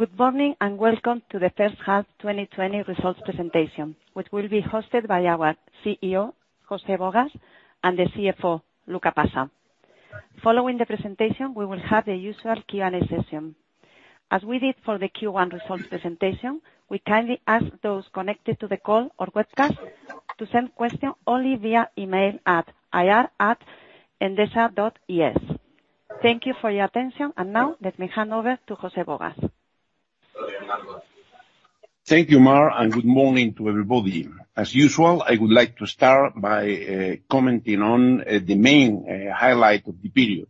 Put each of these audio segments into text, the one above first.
Good morning and welcome to the first half 2020 results presentation, which will be hosted by our CEO, José Gálvez, and the CFO, Luca Passa. Following the presentation, we will have the usual Q&A session. As we did for the Q1 results presentation, we kindly ask those connected to the call or webcast to send questions only via email at ir@endesa.es. Thank you for your attention, and now let me hand over to José Gálvez. Thank you, Mar, and good morning to everybody. As usual, I would like to start by commenting on the main highlights of the period.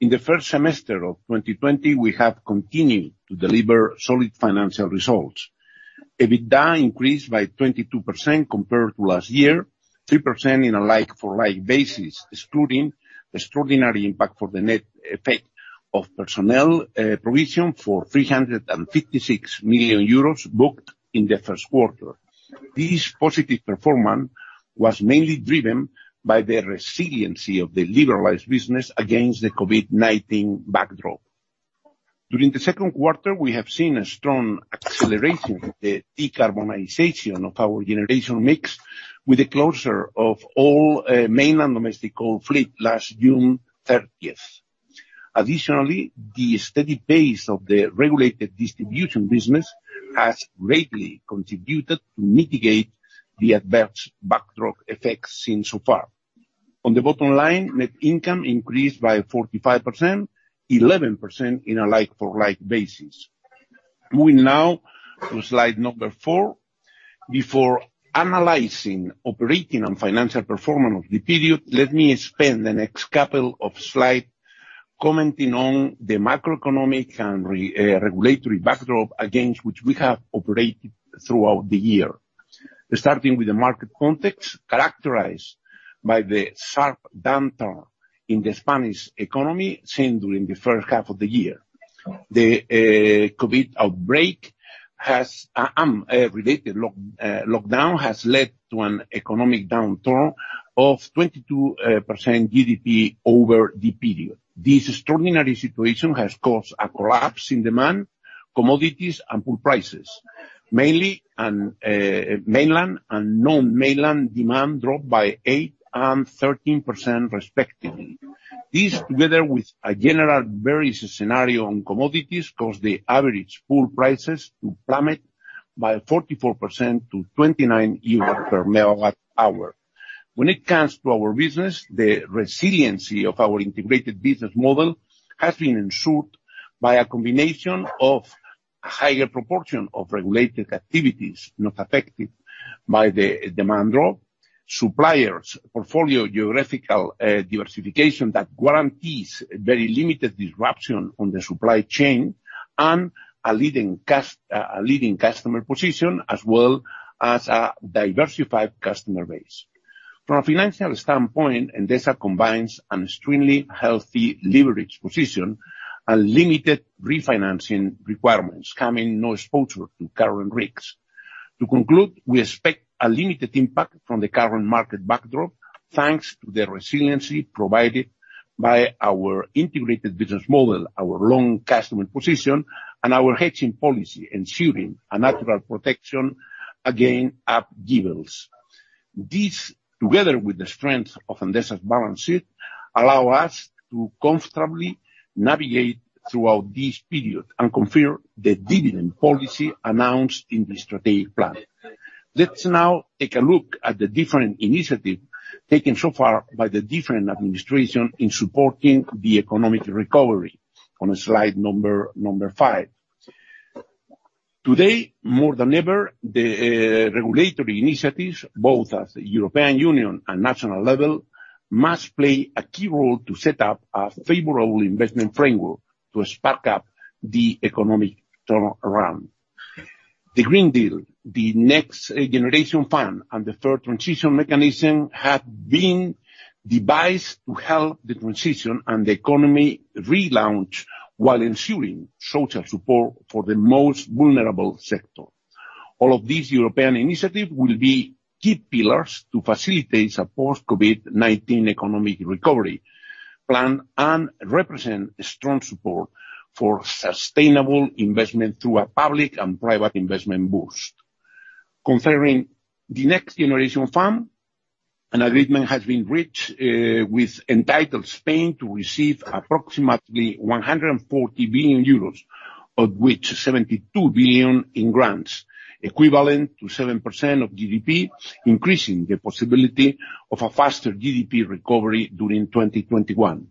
In the first semester of 2020, we have continued to deliver solid financial results. EBITDA increased by 22% compared to last year, 3% on a like-for-like basis, excluding extraordinary impact for the net effect of personnel provision for 356 million euros booked in the first quarter. This positive performance was mainly driven by the resiliency of the liberalized business against the COVID-19 backdrop. During the second quarter, we have seen a strong acceleration of the decarbonization of our generation mix, with the closure of all mainland domestic coal fleet last June 30th. Additionally, the steady pace of the regulated distribution business has greatly contributed to mitigate the adverse backdrop effects seen so far. On the bottom line, net income increased by 45%, 11% on a like-for-like basis. Moving now to slide number four. Before analyzing operating and financial performance of the period, let me spend the next couple of slides commenting on the macroeconomic and regulatory backdrop against which we have operated throughout the year, starting with the market context characterized by the sharp downturn in the Spanish economy seen during the first half of the year. The COVID outbreak and related lockdown has led to an economic downturn of 22% GDP over the period. This extraordinary situation has caused a collapse in demand, commodities, and pool prices. Mainly mainland and non-mainland demand dropped by 8% and 13% respectively. This, together with a general bearish scenario on commodities, caused the average pool prices to plummet by 44% to 29 euros per MWh. When it comes to our business, the resiliency of our integrated business model has been ensured by a combination of a higher proportion of regulated activities not affected by the demand drop, suppliers' portfolio geographical diversification that guarantees very limited disruption on the supply chain, and a leading customer position, as well as a diversified customer base. From a financial standpoint, Endesa combines an extremely healthy leverage position and limited refinancing requirements, coming no exposure to current risks. To conclude, we expect a limited impact from the current market backdrop, thanks to the resiliency provided by our integrated business model, our long customer position, and our hedging policy ensuring a natural protection against upheavals. This, together with the strength of Endesa's balance sheet, allows us to comfortably navigate throughout this period and confirm the dividend policy announced in the strategic plan. Let's now take a look at the different initiatives taken so far by the different administrations in supporting the economic recovery on slide number five. Today, more than ever, the regulatory initiatives, both at the European Union and national level, must play a key role to set up a favorable investment framework to spark up the economic turnaround. The Green Deal, the Next Generation Fund, and the third transition mechanism have been devised to help the transition and the economy relaunch while ensuring social support for the most vulnerable sector. All of these European initiatives will be key pillars to facilitate support for COVID-19 economic recovery plan and represent strong support for sustainable investment through a public and private investment boost. Concerning the Next Generation Fund, an agreement has been reached with Spain to receive approximately 140 billion euros, of which 72 billion in grants, equivalent to 7% of GDP, increasing the possibility of a faster GDP recovery during 2021.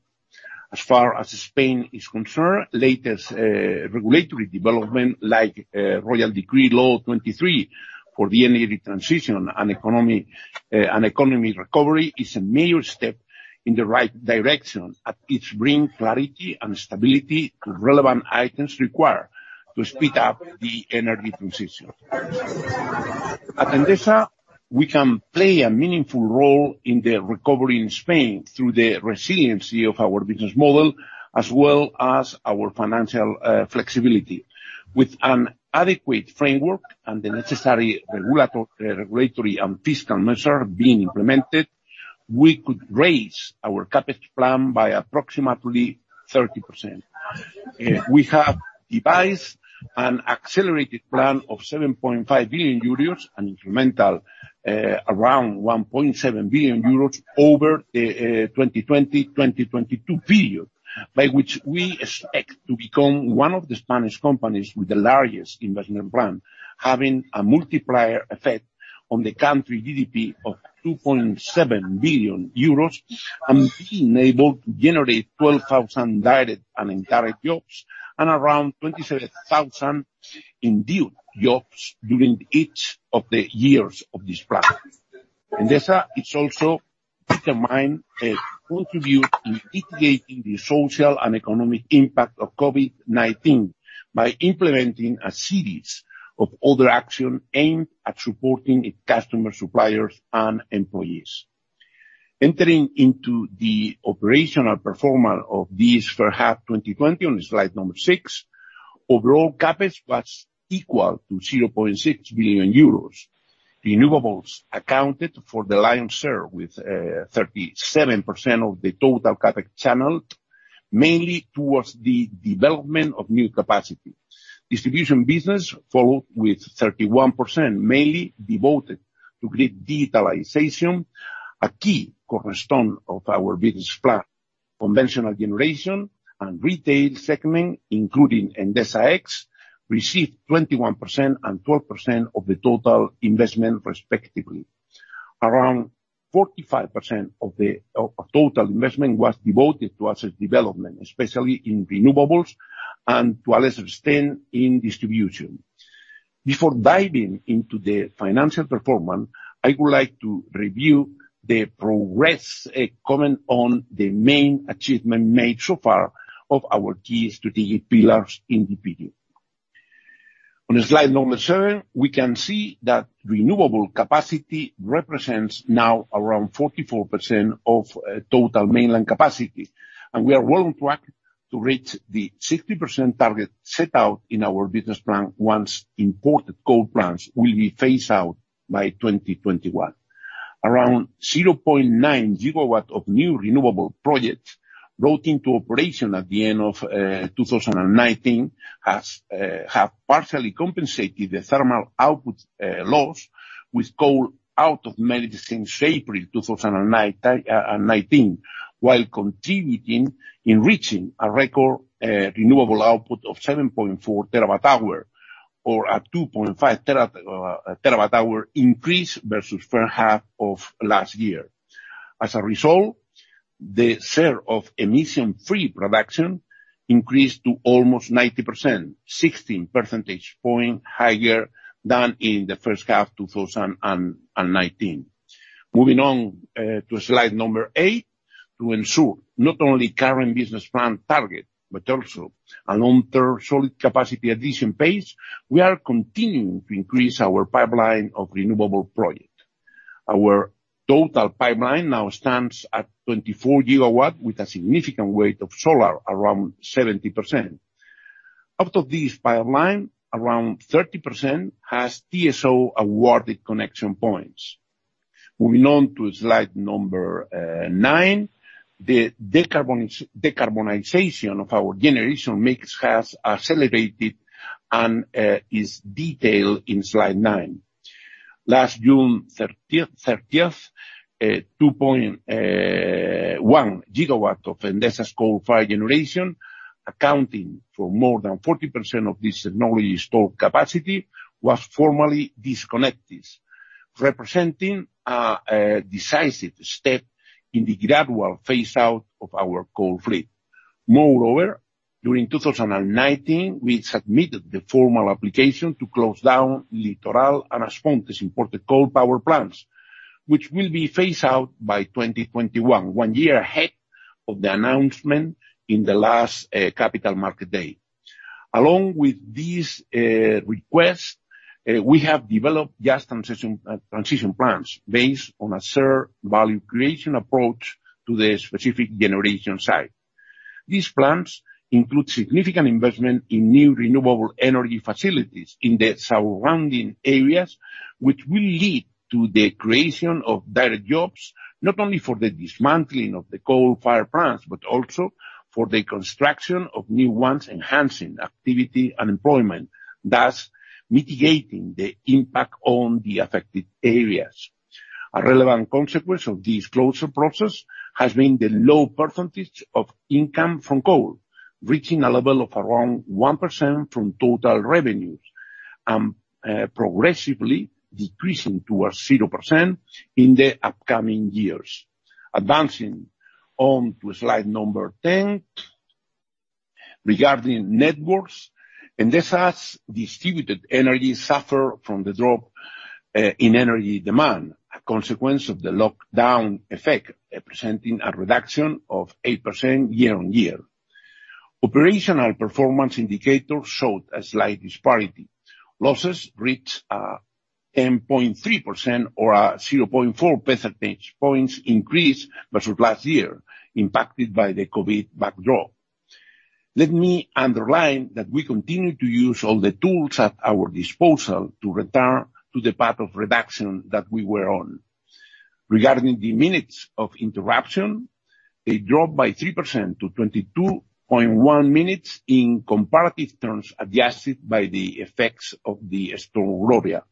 As far as Spain is concerned, latest regulatory development, like Royal Decree Law 23 for the energy transition and economy recovery, is a major step in the right direction, as it brings clarity and stability to relevant items required to speed up the energy transition. At Endesa, we can play a meaningful role in the recovery in Spain through the resiliency of our business model, as well as our financial flexibility. With an adequate framework and the necessary regulatory and fiscal measures being implemented, we could raise our CapEx plan by approximately 30%. We have devised an accelerated plan of 7.5 billion euros and incremental around 1.7 billion euros over the 2020-2022 period, by which we expect to become one of the Spanish companies with the largest investment plan, having a multiplier effect on the country GDP of 2.7 billion euros and being able to generate 12,000 direct and indirect jobs and around 27,000 indeed jobs during each of the years of this plan. Endesa is also determined to contribute to mitigating the social and economic impact of COVID-19 by implementing a series of other actions aimed at supporting its customers, suppliers, and employees. Entering into the operational performance of this first half of 2020, on slide number six, overall CapEx was equal to 0.6 billion euros. Renewables accounted for the lion's share, with 37% of the total CapEx channeled, mainly towards the development of new capacity. Distribution business followed with 31%, mainly devoted to grid digitalization, a key correspondent of our business plan. Conventional generation and retail segment, including Endesa X, received 21% and 12% of the total investment, respectively. Around 45% of the total investment was devoted to asset development, especially in renewables, and to a lesser extent in distribution. Before diving into the financial performance, I would like to review the progress and comment on the main achievements made so far of our key strategic pillars in the period. On slide number seven, we can see that renewable capacity represents now around 44% of total mainland capacity, and we are well on track to reach the 60% target set out in our business plan once imported coal plants will be phased out by 2021. Around 0.9 GW of new renewable projects brought into operation at the end of 2019 have partially compensated the thermal output loss with coal out of maintenance since April 2019, while continuing in reaching a record renewable output of 7.4 TWh, or a 2.5 TWh increase versus the first half of last year. As a result, the share of emission-free production increased to almost 90%, 16 percentage points higher than in the first half of 2019. Moving on to slide number eight, to ensure not only current business plan target, but also a long-term solid capacity addition pace, we are continuing to increase our pipeline of renewable projects. Our total pipeline now stands at 24 GW, with a significant weight of solar, around 70%. Out of this pipeline, around 30% has TSO awarded connection points. Moving on to slide number nine, the decarbonization of our generation mix has accelerated and is detailed in slide nine. Last June 30th, 2.1 GW of Endesa's coal-fired generation, accounting for more than 40% of this technology's stored capacity, was formally disconnected, representing a decisive step in the gradual phase-out of our coal fleet. Moreover, during 2019, we submitted the formal application to close down Litoral and As Pontes imported coal power plants, which will be phased out by 2021, one year ahead of the announcement in the last capital market day. Along with this request, we have developed just transition plans based on a shared value creation approach to the specific generation site. These plans include significant investment in new renewable energy facilities in the surrounding areas, which will lead to the creation of direct jobs, not only for the dismantling of the coal-fired plants, but also for the construction of new ones, enhancing activity and employment, thus mitigating the impact on the affected areas. A relevant consequence of this closure process has been the low percentage of income from coal, reaching a level of around 1% from total revenues, and progressively decreasing towards 0% in the upcoming years. Advancing on to slide number 10, regarding networks, Endesa's distributed energy suffered from the drop in energy demand, a consequence of the lockdown effect, presenting a reduction of 8% year on year. Operational performance indicators showed a slight disparity. Losses reached 10.3%, or a 0.4 percentage points increase versus last year, impacted by the COVID backdrop. Let me underline that we continue to use all the tools at our disposal to return to the path of reduction that we were on. Regarding the minutes of interruption, a drop by 3% to 22.1 minutes in comparative terms adjusted by the effects of the storm Gloria.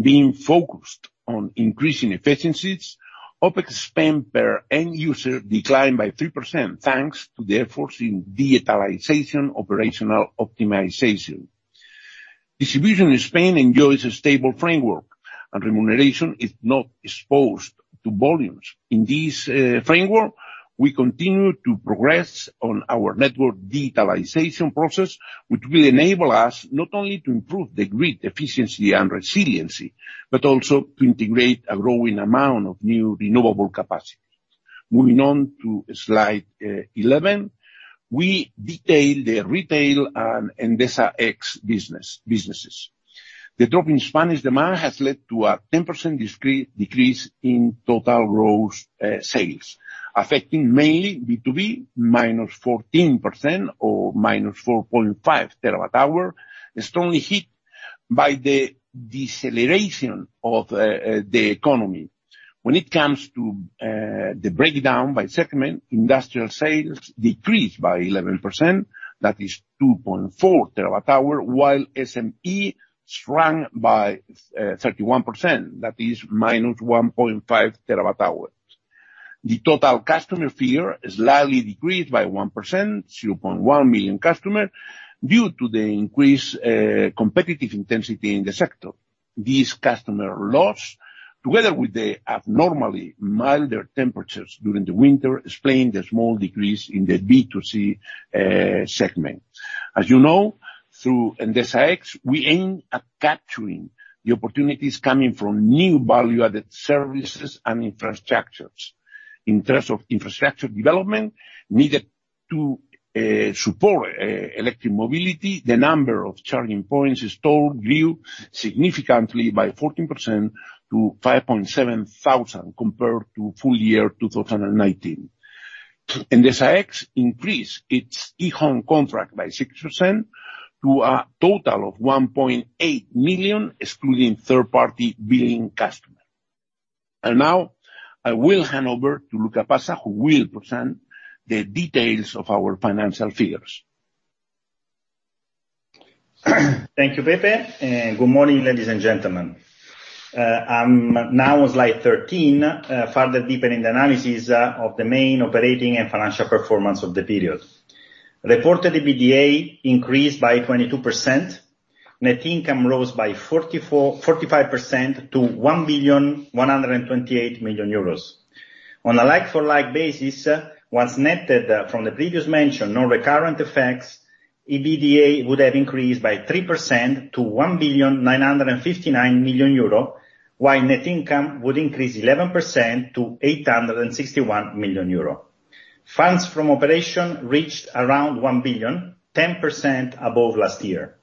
Being focused on increasing efficiencies, OpEx spend per end user declined by 3%, thanks to the efforts in digitalization operational optimization. Distribution in Spain enjoys a stable framework, and remuneration is not exposed to volumes. In this framework, we continue to progress on our network digitalization process, which will enable us not only to improve the grid efficiency and resiliency, but also to integrate a growing amount of new renewable capacity. Moving on to slide 11, we detail the retail and Endesa X businesses. The drop in Spanish demand has led to a 10% decrease in total gross sales, affecting mainly B2B, minus 14%, or minus 4.5 TWh, strongly hit by the deceleration of the economy. When it comes to the breakdown by segment, industrial sales decreased by 11%, that is 2.4 TWh, while SME shrank by 31%, that is minus 1.5 TWh. The total customer figure slightly decreased by 1%, 0.1 million customers, due to the increased competitive intensity in the sector. This customer loss, together with the abnormally milder temperatures during the winter, explains the small decrease in the B2C segment. As you know, through Endesa X, we aim at capturing the opportunities coming from new value-added services and infrastructures. In terms of infrastructure development needed to support electric mobility, the number of charging points still grew significantly by 14% to 5.7 thousand compared to full year 2019. Endesa X increased its e-Home contract by 6% to a total of 1.8 million, excluding third-party billing customers. I will now hand over to Luca Passa, who will present the details of our financial figures. Thank you, Pepe. Good morning, ladies and gentlemen. I'm now on slide 13, further deepening the analysis of the main operating and financial performance of the period. Reported EBITDA increased by 22%, net income rose by 45% to 1.128 billion euros. On a like-for-like basis, once netted from the previous mention, no recurrent effects, EBITDA would have increased by 3% to 1.959 billion, while net income would increase 11% to 861 million euro. Funds from operation reached around 1 billion, 10% above last year.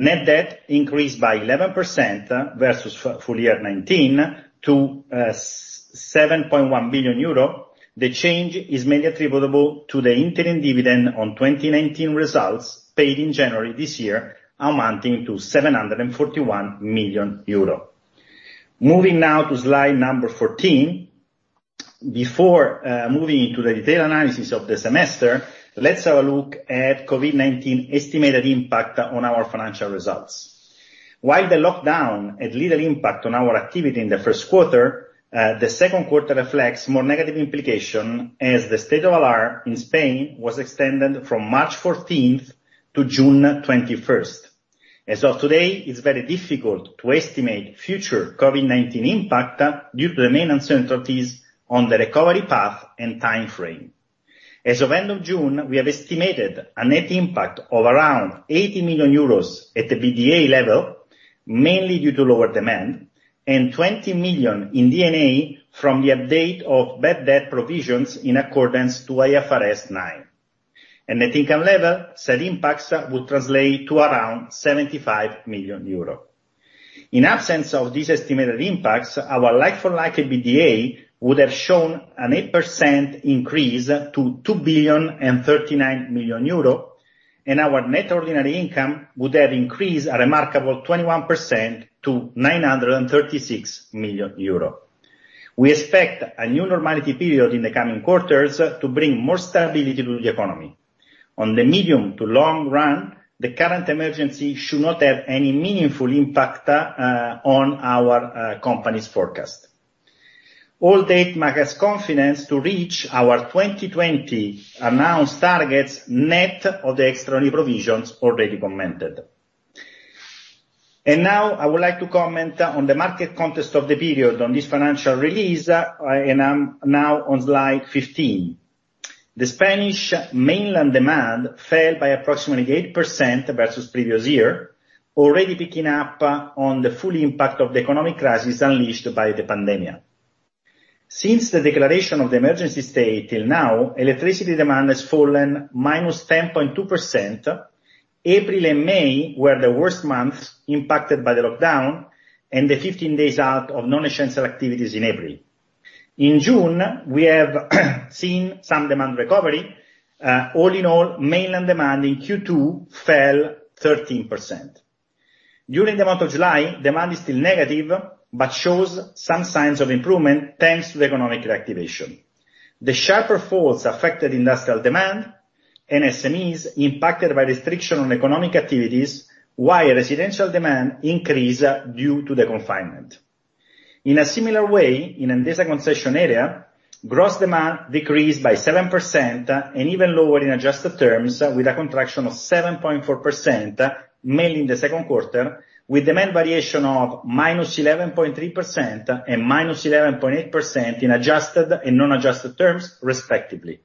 Net debt increased by 11% versus full year 2019 to 7.1 billion euro. The change is mainly attributable to the interim dividend on 2019 results paid in January this year, amounting to 741 million euro. Moving now to slide number 14. Before moving into the detailed analysis of the semester, let's have a look at COVID-19 estimated impact on our financial results. While the lockdown had little impact on our activity in the first quarter, the second quarter reflects more negative implications as the state of alarm in Spain was extended from March 14th to June 21st. As of today, it's very difficult to estimate future COVID-19 impact due to the main uncertainties on the recovery path and time frame. As of end of June, we have estimated a net impact of around 80 million euros at the EBITDA level, mainly due to lower demand, and 20 million in D&A from the update of bad debt provisions in accordance to IFRS 9. At net income level, said impacts would translate to around 75 million euro. In absence of these estimated impacts, our like-for-like EBITDA would have shown an 8% increase to 2.39 billion, and our net ordinary income would have increased a remarkable 21% to 936 million euro. We expect a new normality period in the coming quarters to bring more stability to the economy. On the medium to long run, the current emergency should not have any meaningful impact on our company's forecast. All data gives confidence to reach our 2020 announced targets net of the external provisions already commented. Now I would like to comment on the market context of the period on this financial release, and I'm now on slide 15. The Spanish mainland demand fell by approximately 8% versus previous year, already picking up on the full impact of the economic crisis unleashed by the pandemic. Since the declaration of the emergency state till now, electricity demand has fallen minus 10.2%. April and May were the worst months impacted by the lockdown and the 15 days out of non-essential activities in April. In June, we have seen some demand recovery. All in all, mainland demand in Q2 fell 13%. During the month of July, demand is still negative but shows some signs of improvement thanks to the economic reactivation. The sharper falls affected industrial demand and SMEs impacted by restriction on economic activities, while residential demand increased due to the confinement. In a similar way, in Endesa concession area, gross demand decreased by 7% and even lower in adjusted terms with a contraction of 7.4%, mainly in the second quarter, with demand variation of minus 11.3% and minus 11.8% in adjusted and non-adjusted terms, respectively.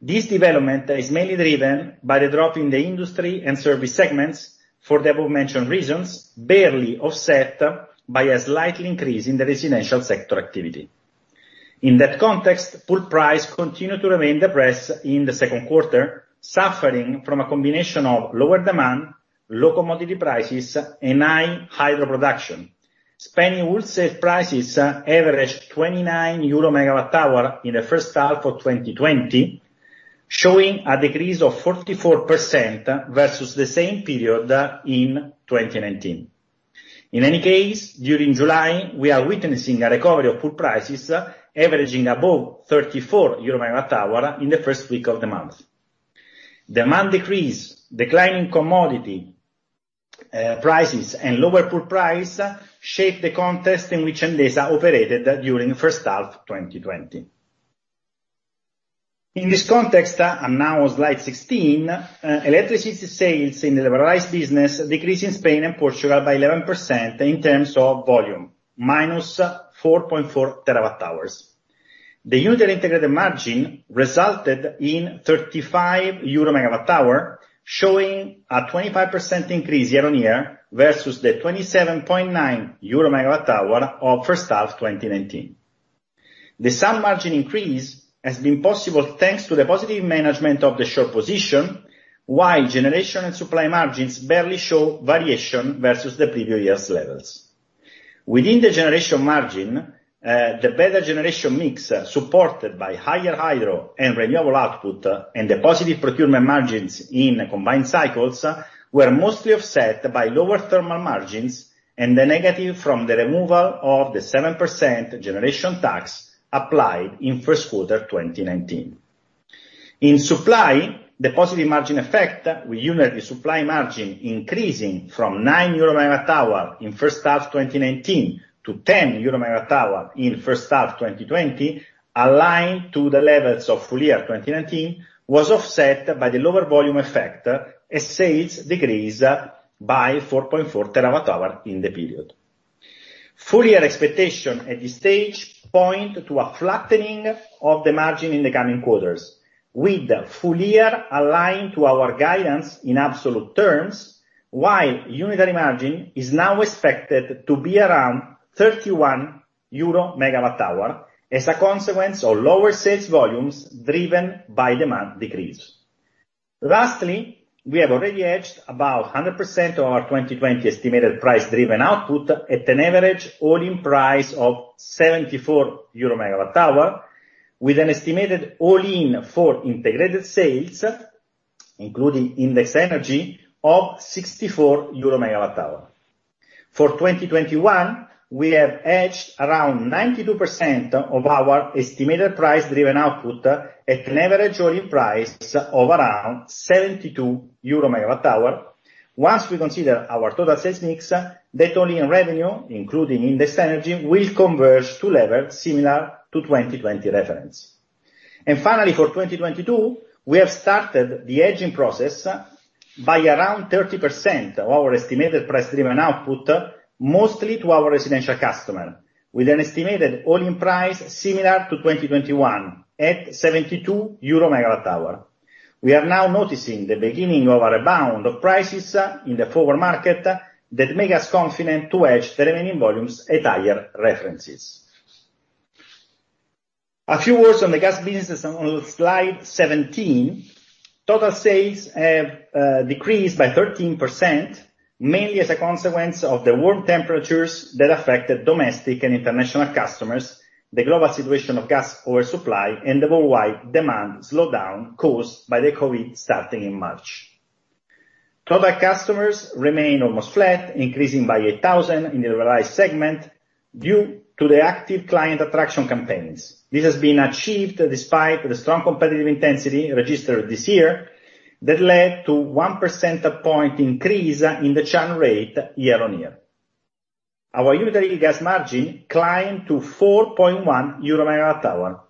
This development is mainly driven by the drop in the industry and service segments for the above-mentioned reasons, barely offset by a slight increase in the residential sector activity. In that context, pool price continued to remain depressed in the second quarter, suffering from a combination of lower demand, low commodity prices, and high hydro production. Spain's wholesale prices averaged 29 euro per MWh in the first half of 2020, showing a decrease of 44% versus the same period in 2019. In any case, during July, we are witnessing a recovery of pool prices averaging above 34 euro per MWh in the first week of the month. Demand decrease, declining commodity prices, and lower pool price shape the context in which Endesa operated during the first half of 2020. In this context, and now on slide 16, electricity sales in the liberalized business decreased in Spain and Portugal by 11% in terms of volume, minus 4.4 TWh. The unitary integrated margin resulted in 35 euro per MWh, showing a 25% increase year on year versus the 27.9 euro per MWh of first half of 2019. The sum margin increase has been possible thanks to the positive management of the short position, while generation and supply margins barely show variation versus the previous year's levels. Within the generation margin, the better generation mix supported by higher hydro and renewable output and the positive procurement margins in combined cycles were mostly offset by lower thermal margins and the negative from the removal of the 7% generation tax applied in first quarter 2019. In supply, the positive margin effect, with unitary supply margin increasing from 9 euro per MWh in first half of 2019 to 10 euro per MWh in first half of 2020, aligned to the levels of full year 2019, was offset by the lower volume effect as sales decreased by 4.4 TWh in the period. Full year expectation at this stage points to a flattening of the margin in the coming quarters, with full year aligned to our guidance in absolute terms, while unitary margin is now expected to be around 31 euro per MWh as a consequence of lower sales volumes driven by demand decrease. Lastly, we have already hedged about 100% of our 2020 estimated price-driven output at an average all-in price of 74 euro per MWh, with an estimated all-in for integrated sales, including index energy, of 64 euro per MWh. For 2021, we have hedged around 92% of our estimated price-driven output at an average all-in price of around 72 euro per MWh. Once we consider our total sales mix, that all-in revenue, including index energy, will converge to levels similar to 2020 reference. Finally, for 2022, we have started the hedging process by around 30% of our estimated price-driven output, mostly to our residential customers, with an estimated all-in price similar to 2021 at 72 euro per MWh. We are now noticing the beginning of a rebound of prices in the forward market that makes us confident to hedge the remaining volumes at higher references. A few words on the gas business on slide 17. Total sales have decreased by 13%, mainly as a consequence of the warm temperatures that affected domestic and international customers, the global situation of gas oversupply, and the worldwide demand slowdown caused by COVID starting in March. Total customers remain almost flat, increasing by 8,000 in the liberalized segment due to the active client attraction campaigns. This has been achieved despite the strong competitive intensity registered this year that led to a 1% point increase in the churn rate year on year. Our unitary gas margin climbed to 4.1 euro per MWh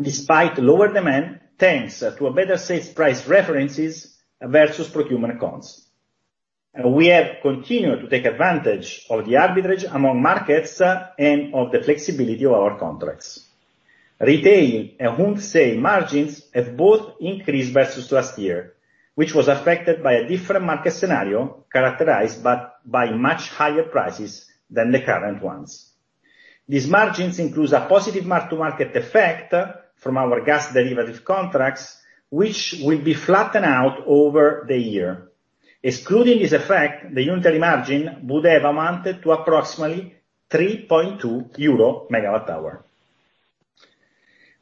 despite lower demand thanks to better sales price references versus procurement costs. We have continued to take advantage of the arbitrage among markets and of the flexibility of our contracts. Retail and wholesale margins have both increased versus last year, which was affected by a different market scenario characterized by much higher prices than the current ones. These margins include a positive mark-to-market effect from our gas derivative contracts, which will be flattened out over the year. Excluding this effect, the unitary margin would have amounted to approximately 3.2 euro per MWh.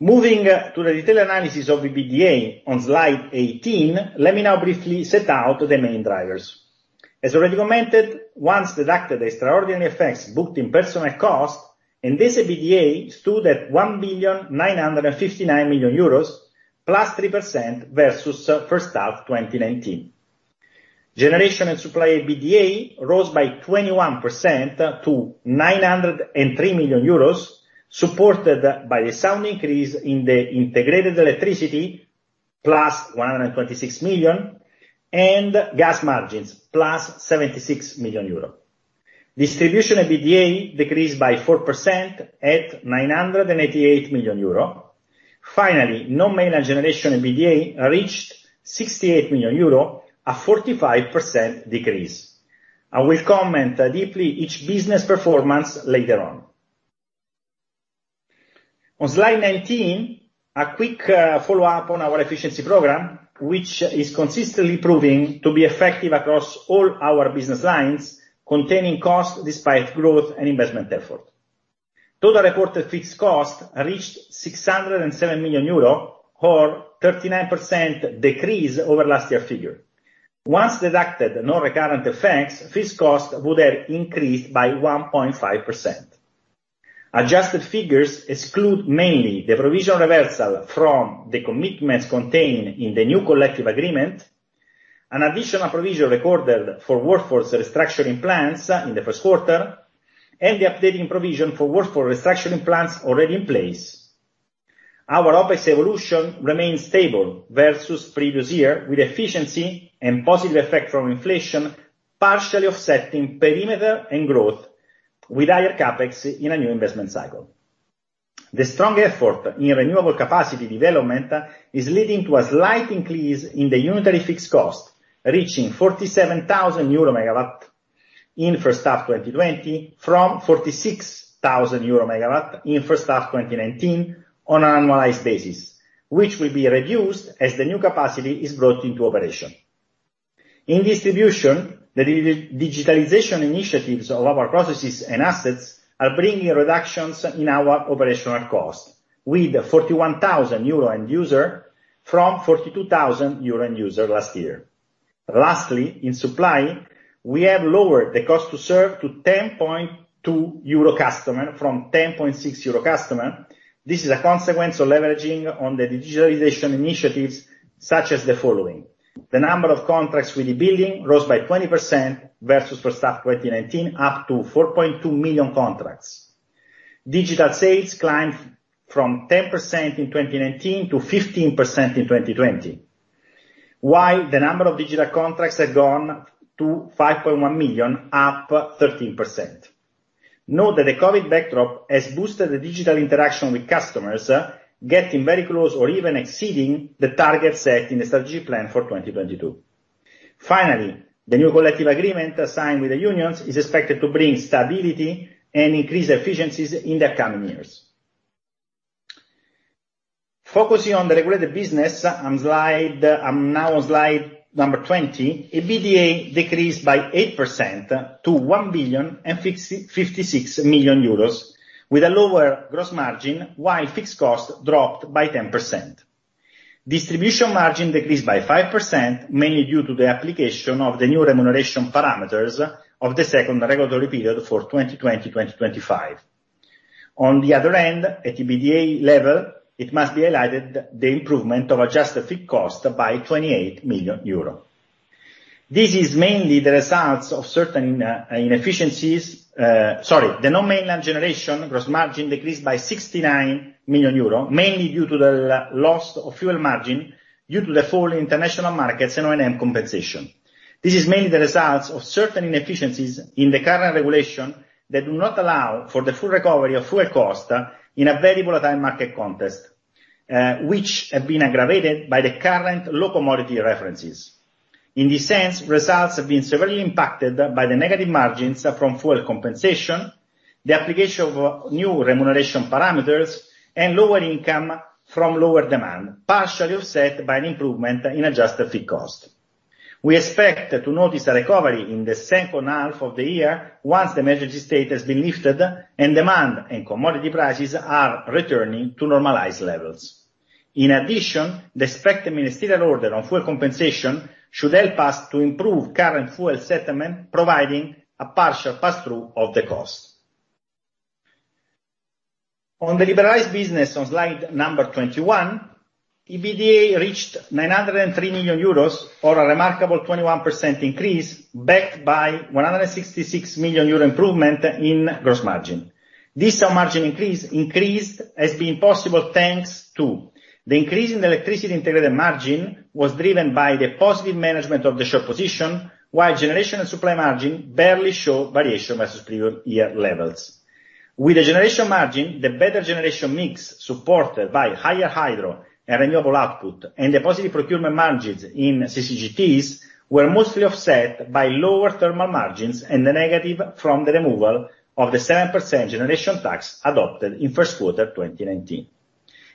Moving to the detailed analysis of EBITDA on slide 18, let me now briefly set out the main drivers. As already commented, once deducted the extraordinary effects booked in personnel costs, Endesa EBITDA stood at 1,959 million euros, up 3% versus first half of 2019. Generation and supply EBITDA rose by 21% to 903 million euros, supported by the sound increase in the integrated electricity margin of 126 million and gas margins of 76 million euro. Distribution EBITDA decreased by 4% to 988 million euro. Finally, non-mainline generation EBITDA reached 68 million euro, a 45% decrease. I will comment deeply on each business performance later on. On slide 19, a quick follow-up on our efficiency program, which is consistently proving to be effective across all our business lines, containing costs despite growth and investment effort. Total reported fixed cost reached 607 million euro, or a 39% decrease over last year's figure. Once deducted non-recurrent effects, fixed costs would have increased by 1.5%. Adjusted figures exclude mainly the provisional reversal from the commitments contained in the new collective agreement, an additional provision recorded for workforce restructuring plans in the first quarter, and the updating provision for workforce restructuring plans already in place. Our OpEx evolution remains stable versus previous year, with efficiency and positive effect from inflation partially offsetting perimeter and growth with higher CapEx in a new investment cycle. The strong effort in renewable capacity development is leading to a slight increase in the unitary fixed cost, reaching 47,000 euro per MW in first half of 2020 from 46,000 euro per MW in first half of 2019 on an annualized basis, which will be reduced as the new capacity is brought into operation. In distribution, the digitalization initiatives of our processes and assets are bringing reductions in our operational cost, with 41,000 euro per end user from 42,000 euro per end user last year. Lastly, in supply, we have lowered the cost to serve to 10.2 euro per customer from 10.6 euro per customer. This is a consequence of leveraging on the digitalization initiatives such as the following. The number of contracts with the building rose by 20% versus first half of 2019, up to 4.2 million contracts. Digital sales climbed from 10% in 2019 to 15% in 2020, while the number of digital contracts had gone to 5.1 million, up 13%. Note that the COVID backdrop has boosted the digital interaction with customers, getting very close or even exceeding the targets set in the strategy plan for 2022. Finally, the new collective agreement signed with the unions is expected to bring stability and increase efficiencies in the coming years. Focusing on the regulated business, I'm now on slide number 20. EBITDA decreased by 8% to 1.56 million euros, with a lower gross margin, while fixed costs dropped by 10%. Distribution margin decreased by 5%, mainly due to the application of the new remuneration parameters of the second regulatory period for 2020-2025. On the other end, at EBITDA level, it must be highlighted the improvement of adjusted fixed cost by 28 million euro. This is mainly the results of certain inefficiencies. Sorry, the non-mainline generation gross margin decreased by 69 million euro, mainly due to the loss of fuel margin due to the fall in international markets and O&M compensation. This is mainly the results of certain inefficiencies in the current regulation that do not allow for the full recovery of fuel cost in a very volatile market context, which have been aggravated by the current low commodity references. In this sense, results have been severely impacted by the negative margins from fuel compensation, the application of new remuneration parameters, and lower income from lower demand, partially offset by an improvement in adjusted fixed cost. We expect to notice a recovery in the second half of the year once the emergency state has been lifted and demand and commodity prices are returning to normalized levels. In addition, the expected ministerial order on fuel compensation should help us to improve current fuel settlement, providing a partial pass-through of the cost. On the liberalized business on slide number 21, EBITDA reached 903 million euros, or a remarkable 21% increase, backed by a 166 million euro improvement in gross margin. This sub-margin increase has been possible thanks to the increase in the electricity integrated margin that was driven by the positive management of the short position, while generation and supply margin barely showed variation versus previous year levels. With the generation margin, the better generation mix supported by higher hydro and renewable output and the positive procurement margins in CCGTs were mostly offset by lower thermal margins and the negative from the removal of the 7% generation tax adopted in first quarter 2019.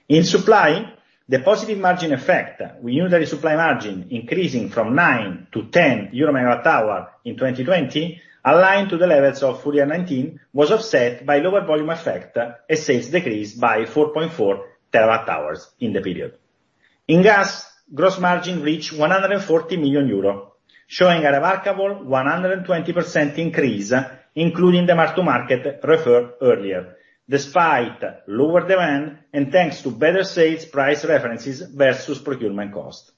In supply, the positive margin effect with unitary supply margin increasing from 9 to 10 euro per MWh in 2020, aligned to the levels of full year 2019, was offset by lower volume effect as sales decreased by 4.4 TWh in the period. In gas, gross margin reached 140 million euro, showing a remarkable 120% increase, including the mark-to-market referred earlier, despite lower demand and thanks to better sales price references versus procurement cost.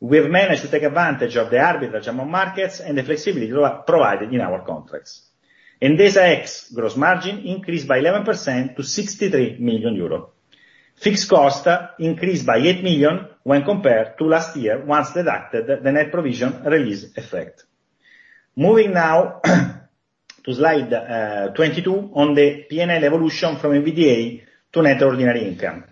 We have managed to take advantage of the arbitrage among markets and the flexibility provided in our contracts. Endesa X gross margin increased by 11% to 63 million euro. Fixed cost increased by 8 million when compared to last year once deducted the net provision release effect. Moving now to slide 22 on the P&L evolution from EBITDA to net ordinary income.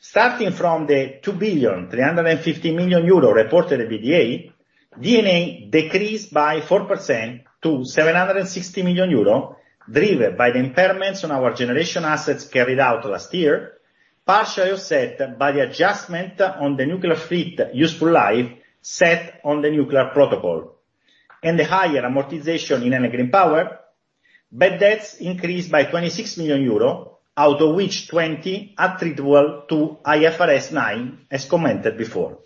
Starting from the 2.35 billion reported EBITDA, D&A decreased by 4% to 760 million euro, driven by the impairments on our generation assets carried out last year, partially offset by the adjustment on the nuclear fleet useful life set on the nuclear protocol, and the higher amortization in energy and power. Bad debts increased by 26 million euro, out of which 20 million attributable to IFRS 9, as commented before.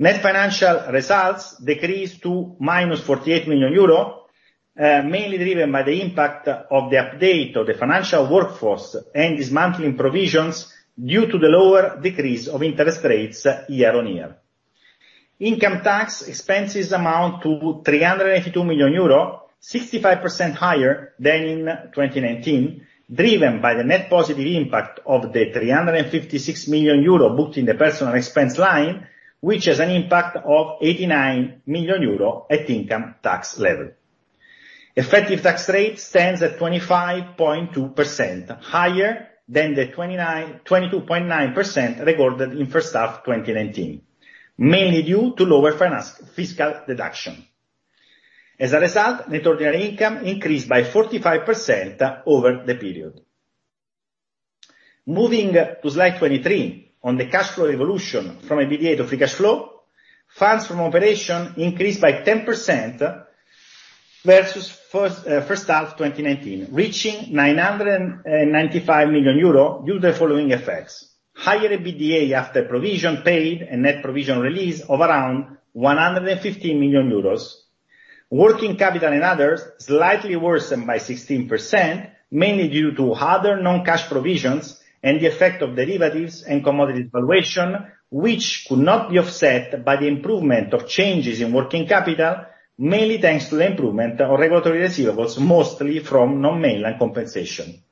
Net financial results decreased to -48 million euro, mainly driven by the impact of the update of the financial workforce and dismantling provisions due to the lower decrease of interest rates year on year. Income tax expenses amount to 382 million euro, 65% higher than in 2019, driven by the net positive impact of the 356 million euro booked in the personal expense line, which has an impact of 89 million euro at income tax level. Effective tax rate stands at 25.2%, higher than the 22.9% recorded in first half of 2019, mainly due to lower fiscal deduction. As a result, net ordinary income increased by 45% over the period. Moving to slide 23 on the cash flow evolution from EBITDA to free cash flow, funds from operation increased by 10% versus first half of 2019, reaching 995 million euro due to the following effects: higher EBITDA after provision paid and net provision release of around 115 million euros, working capital and others slightly worsened by 16%, mainly due to harder non-cash provisions and the effect of derivatives and commodities valuation, which could not be offset by the improvement of changes in working capital, mainly thanks to the improvement of regulatory residuals mostly from non-mainline compensation.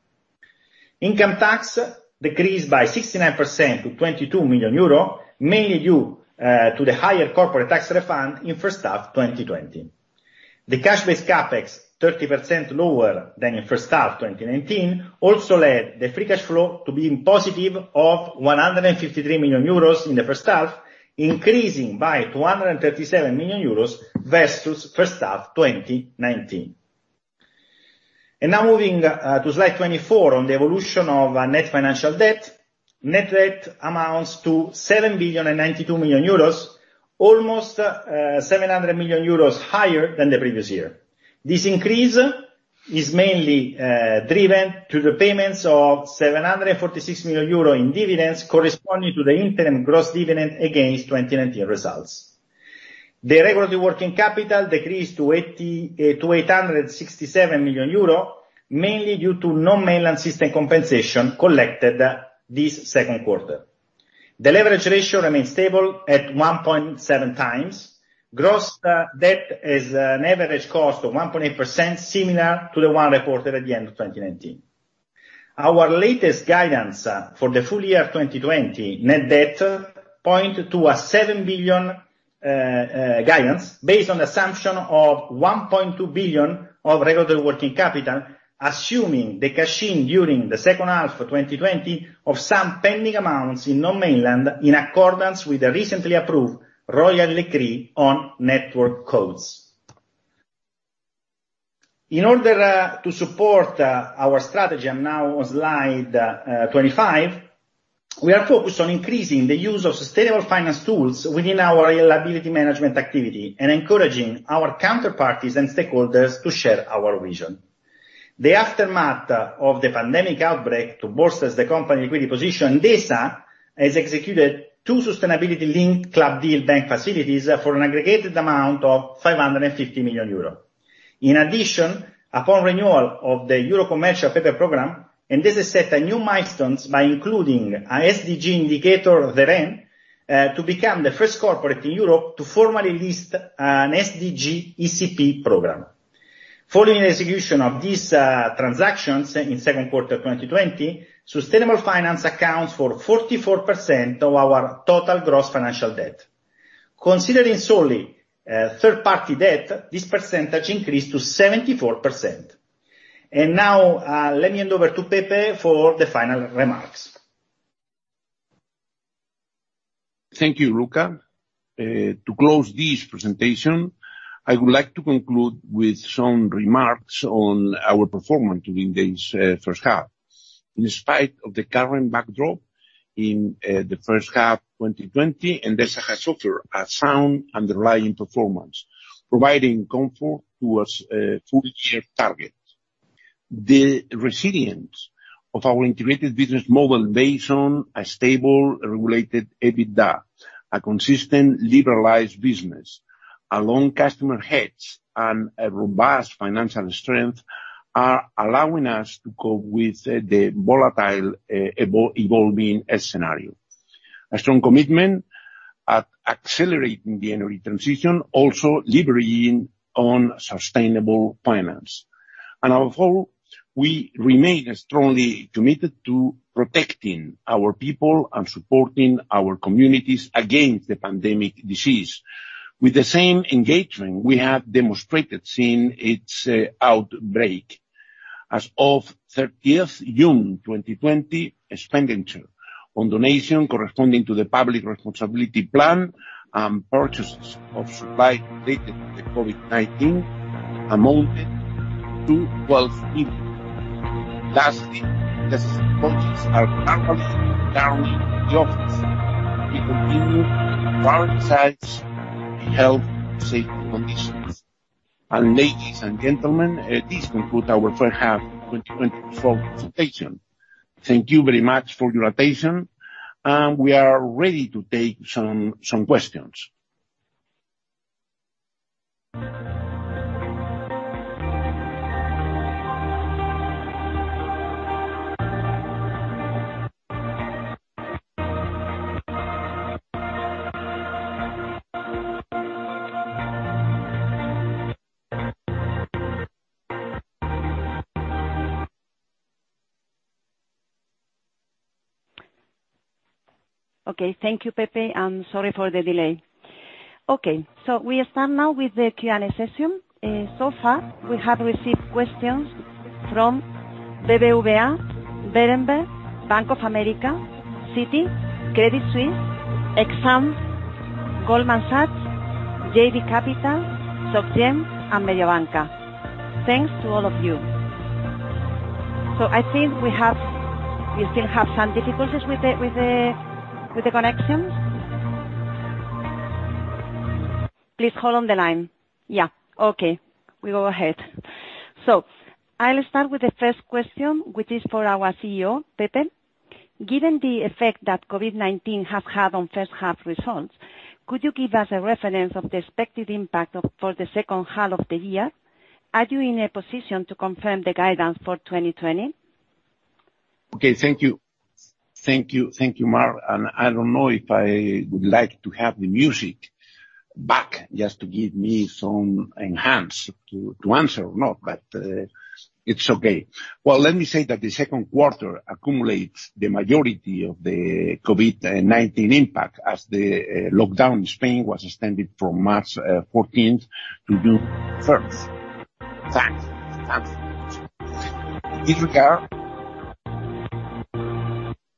Income tax decreased by 69% to 22 million euro, mainly due to the higher corporate tax refund in first half of 2020. The cash-based CapEx, 30% lower than in first half of 2019, also led the free cash flow to be positive at 153 million euros in the first half, increasing by 237 million euros versus first half of 2019. Moving to slide 24 on the evolution of net financial debt, net debt amounts to 7.92 billion, almost 700 million euros higher than the previous year. This increase is mainly driven through the payments of 746 million euro in dividends corresponding to the interim gross dividend against 2019 results. The regulatory working capital decreased to 867 million euro, mainly due to non-mainline system compensation collected this second quarter. The leverage ratio remains stable at 1.7x. Gross debt has an average cost of 1.8%, similar to the one reported at the end of 2019. Our latest guidance for the full year 2020 net debt points to a 7 billion guidance based on the assumption of 1.2 billion of regulatory working capital, assuming the cashing during the second half of 2020 of some pending amounts in non-mainland in accordance with the recently approved Royal Decree on Network Codes. In order to support our strategy now on slide 25, we are focused on increasing the use of sustainable finance tools within our reliability management activity and encouraging our counterparties and stakeholders to share our vision. In the aftermath of the pandemic outbreak to bolster the company's liquidity position, Endesa has executed two sustainability-linked Club Deal bank facilities for an aggregated amount of 550 million euro. In addition, upon renewal of the Euro Commercial Paper Program, Endesa set a new milestone by including an SDG indicator, the REN, to become the first corporate in Europe to formally list an SDG ECP program. Following the execution of these transactions in second quarter 2020, sustainable finance accounts for 44% of our total gross financial debt. Considering solely third-party debt, this percentage increased to 74%. Now, let me hand over to Pepe for the final remarks. Thank you, Luca. To close this presentation, I would like to conclude with some remarks on our performance during this first half. In spite of the current backdrop in the first half of 2020, Endesa has offered a sound underlying performance, providing comfort towards a full-year target. The resilience of our integrated business model based on a stable regulated EBITDA, a consistent liberalized business, a long customer hedge, and a robust financial strength are allowing us to cope with the volatile evolving scenario. A strong commitment at accelerating the energy transition also liberating on sustainable finance. Our goal, we remain strongly committed to protecting our people and supporting our communities against the pandemic disease. With the same engagement we have demonstrated since its outbreak, as of June 30th, 2020, expenditure on donation corresponding to the public responsibility plan and purchases of supplies related to the COVID-19 amounted to EUR 12 million. Lastly, the support teams are currently guarding the office. We continue to prioritize the health and safety conditions. Ladies and gentlemen, this concludes our first half of 2020's presentation. Thank you very much for your attention, and we are ready to take some questions. Okay, thank you, Pepe. I'm sorry for the delay. Okay, so we start now with the Q&A session. So far, we have received questions from BBVA, Berenberg, Bank of America, Citi, Credit Suisse, Exane, Goldman Sachs, JB Capital, SocGen, and Mediobanca. Thanks to all of you. I think we still have some difficulties with the connection. Please hold on the line. Yeah, okay. We go ahead. I'll start with the first question, which is for our CEO, Pepe. Given the effect that COVID-19 has had on first half results, could you give us a reference of the expected impact for the second half of the year? Are you in a position to confirm the guidance for 2020? Okay, thank you. Thank you, Mar. I don't know if I would like to have the music back just to give me some enhancement to answer or not, but it's okay. Well, let me say that the second quarter accumulates the majority of the COVID-19 impact as the lockdown in Spain was extended from March 14th to June 1st. In this regard,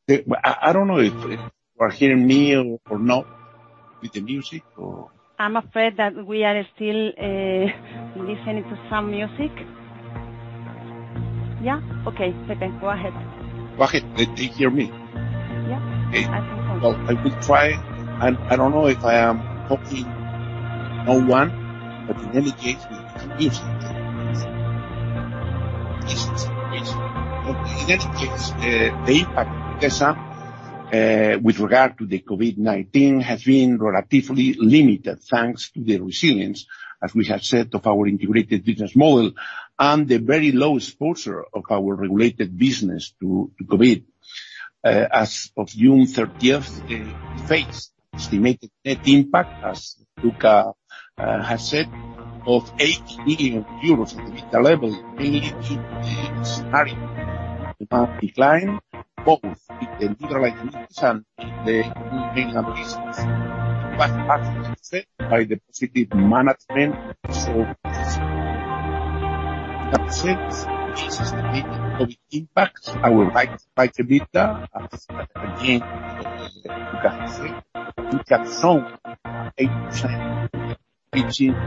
I don't know if you are hearing me or not with the music. I'm afraid that we are still listening to some music. Okay, Pepe, go ahead. Do you hear me? I think so. I will try. I don't know if I am talking to someone, but in any case, we can hear something. In any case, the impact of Endesa with regard to COVID-19 has been relatively limited thanks to the resilience, as we have said, of our integrated business model and the very low exposure of our regulated business to COVID. As of June 30th, we faced an estimated net impact, as Luca has said, of 8 million euros at the EBITDA level, mainly due to the scenario of demand decline both in the liberalized business and in the non-mainland business. This was largely offset by the positive management of COVID-19. That said, this estimated COVID impact on our EBITDA, as again Luca has said, we have shown an 8% growth reaching EUR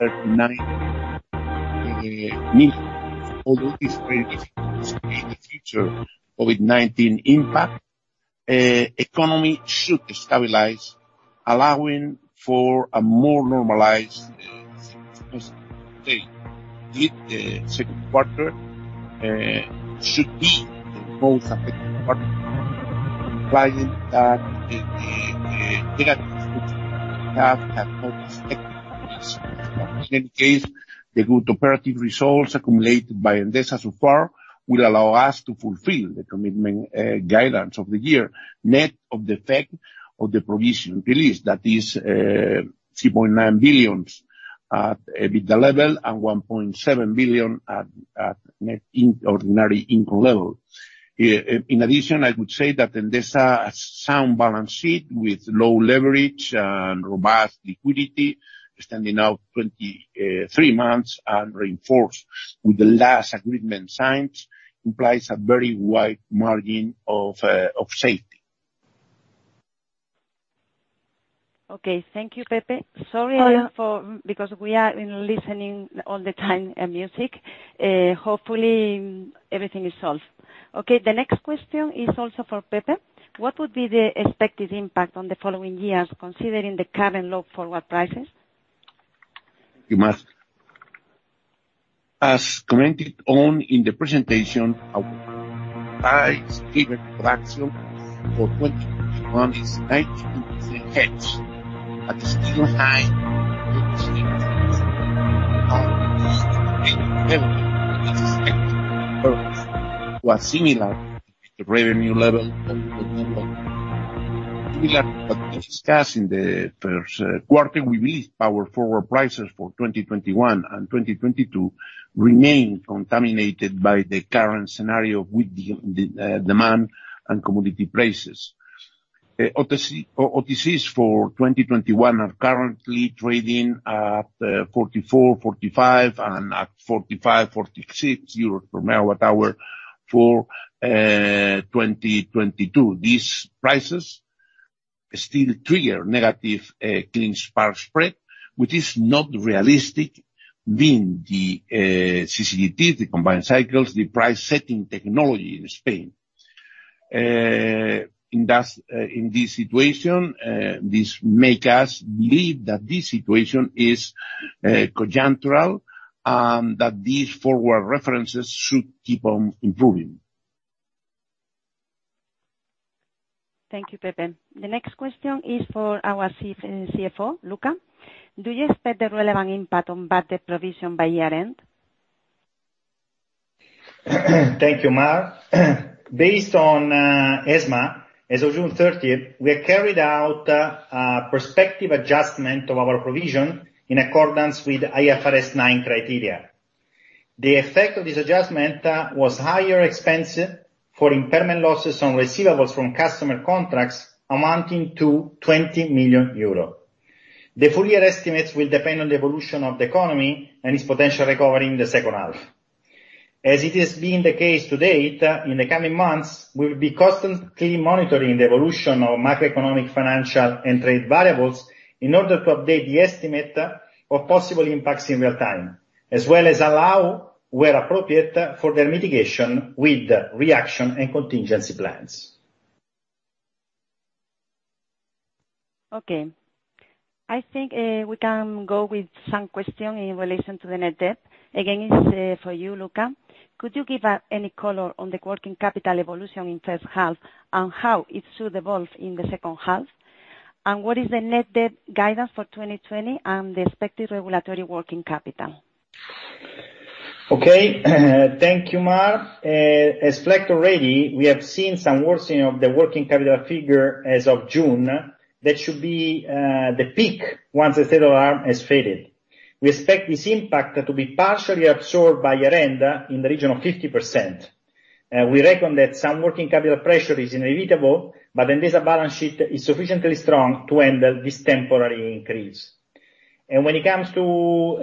2.39 billion. Although it is very difficult to predict the future COVID-19 impact, the economy should stabilize, allowing for a more normalized state with the second quarter should be the most affected quarter, implying that the negative effects we have not affected the economy. In any case, the good operative results accumulated by Endesa so far will allow us to fulfill the commitment guidance of the year, net of the effect of the provision release, that is 3.9 billion at EBITDA level and 1.7 billion at net ordinary income level. In addition, I would say that Endesa has a sound balance sheet with low leverage and robust liquidity, standing out 23 months, and reinforced with the last agreement signs, implies a very wide margin of safety. Thank you, Pepe. Sorry because we are listening all the time to music. Hopefully, everything is solved. The next question is also for Pepe. What would be the expected impact on the following years, considering the current low forward prices? As commented on in the presentation, our price-driven production for 2021 is 92% hedged, at a still high 86%. This is expected to further assimilate the revenue level of 2021. Similar to what we discussed in the first quarter, we believe our forward prices for 2021 and 2022 remain contaminated by the current scenario with the demand and commodity prices. OTCs for 2021 are currently trading at 44 45, and at 45 euro 46 euros per MW hour for 2022. These prices still trigger negative clean spark spread, which is not realistic, being the CCGT, the combined cycles, the price-setting technology in Spain. In this situation, this makes us believe that this situation is conjunctural and that these forward references should keep on improving. Thank you, Pepe. The next question is for our CFO, Luca. Do you expect the relevant impact on budget provision by year-end? Thank you, Mar. Based on ESMA, as of June 30th, we carried out a prospective adjustment of our provision in accordance with IFRS 9 criteria. The effect of this adjustment was higher expense for impairment losses on receivables from customer contracts amounting to 20 million euro. The full year estimates will depend on the evolution of the economy and its potential recovery in the second half. As it has been the case to date, in the coming months, we will be constantly monitoring the evolution of macroeconomic, financial, and trade variables in order to update the estimate of possible impacts in real time, as well as allow, where appropriate, further mitigation with reaction and contingency plans. I think we can go with some questions in relation to the net debt. Again, it's for you, Luca. Could you give any color on the working capital evolution in the first half and how it should evolve in the second half? And what is the net debt guidance for 2024 and the expected regulatory working capital? Okay, thank you, Mar. As FLEX already, we have seen some worsening of the working capital figure as of June. That should be the peak once the state of the arm has faded. We expect this impact to be partially absorbed by year-end in the region of 50%. We reckon that some working capital pressure is inevitable, but Endesa's balance sheet is sufficiently strong to handle this temporary increase. When it comes to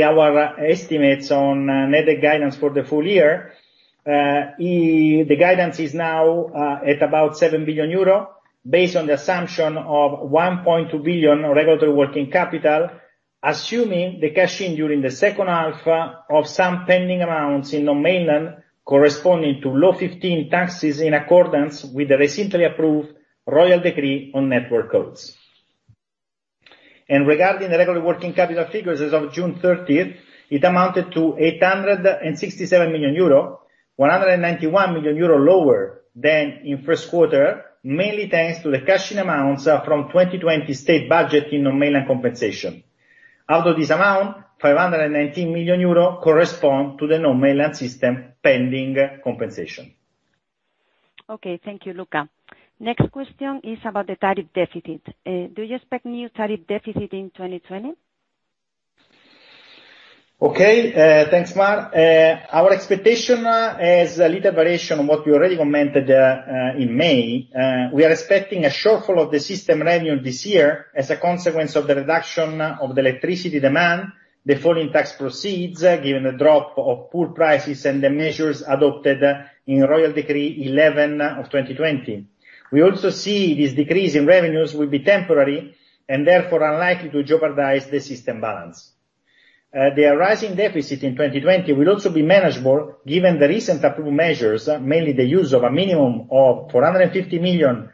our estimates on net debt guidance for the full year, the guidance is now at about 7 billion euro, based on the assumption of 1.2 billion regulatory working capital, assuming the cash in during the second half of some pending amounts in non-mainland corresponding to Law 15 taxes in accordance with the recently approved Royal Decree on Network Codes. Regarding the regular working capital figures as of June 30th, it amounted to 867 million euro, 191 million euro lower than in first quarter, mainly thanks to the cash in amounts from 2020 state budget in non-mainland compensation. Out of this amount, 519 million euro corresponds to the non-mainland system pending compensation. Thank you, Luca. Next question is about the tariff deficit. Do you expect new tariff deficit in 2020? Thanks, Mar. Our expectation has a little variation on what we already commented in May. We are expecting a shortfall of the system revenue this year as a consequence of the reduction of the electricity demand, the fall in tax proceeds given the drop of power prices, and the measures adopted in Royal Decree 11 of 2020. We also see this decrease in revenues will be temporary and therefore unlikely to jeopardize the system balance. The rising deficit in 2020 will also be manageable given the recent approval measures, mainly the use of a minimum of 450 million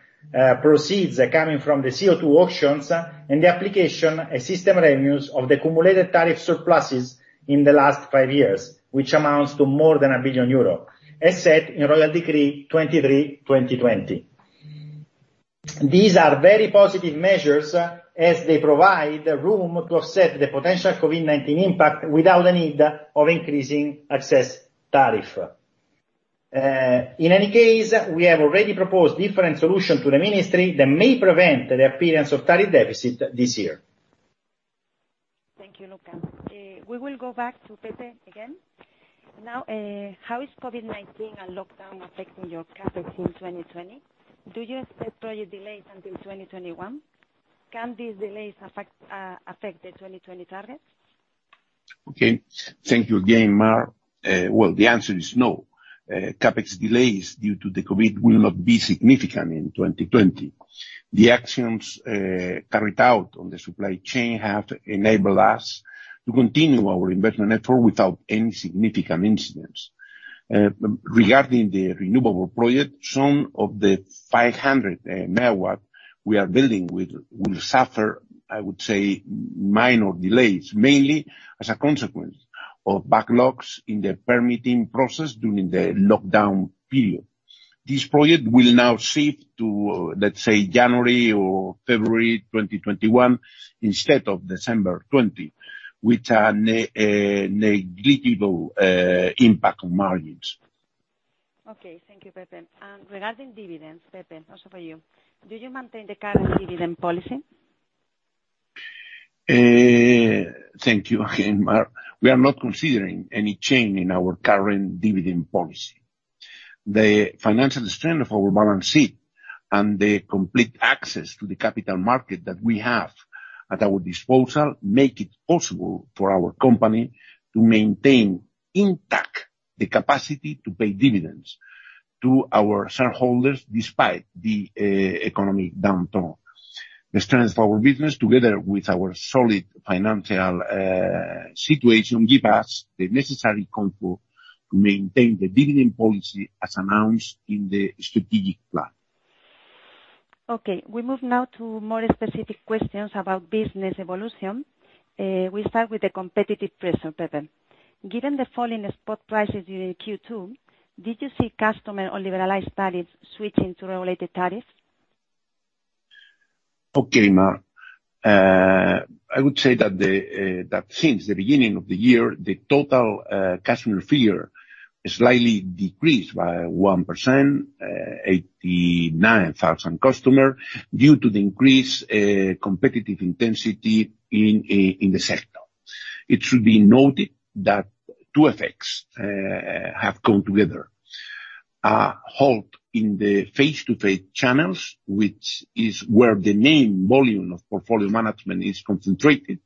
proceeds coming from the CO2 auctions and the application of system revenues of the cumulated tariff surpluses in the last five years, which amounts to more than 1 billion euro, as said in Royal Decree 23/2020. These are very positive measures as they provide room to offset the potential COVID-19 impact without the need of increasing access tariffs. In any case, we have already proposed different solutions to the ministry that may prevent the appearance of tariff deficit this year. Thank you, Luca. We will go back to Pepe again. Now, how is COVID-19 and lockdown affecting your CapEx in 2020? Do you expect project delays until 2021? Can these delays affect the 2020 target? Okay, thank you again, Mar. The answer is no. CapEx delays due to the COVID will not be significant in 2020. The actions carried out on the supply chain have enabled us to continue our investment effort without any significant incidents. Regarding the renewable project, some of the 500 MWs we are building will suffer, I would say, minor delays, mainly as a consequence of backlogs in the permitting process during the lockdown period. This project will now shift to, let's say, January or February 2021 instead of December 2020, with a negligible impact on margins. Okay, thank you, Pepe. Regarding dividends, Pepe, also for you, do you maintain the current dividend policy? Thank you again, Mar. We are not considering any change in our current dividend policy. The financial strength of our balance sheet and the complete access to the capital market that we have at our disposal make it possible for our company to maintain intact the capacity to pay dividends to our shareholders despite the economic downturn. The strength of our business, together with our solid financial situation, gives us the necessary control to maintain the dividend policy as announced in the strategic plan. Okay, we move now to more specific questions about business evolution. We start with the competitive pressure, Pepe. Given the fall in spot prices during Q2, did you see customer or liberalized tariffs switching to regulated tariffs? Okay, Mar. I would say that since the beginning of the year, the total customer figure slightly decreased by 1%, 89,000 customers, due to the increased competitive intensity in the sector. It should be noted that two effects have come together: a halt in the face-to-face channels, which is where the main volume of portfolio management is concentrated,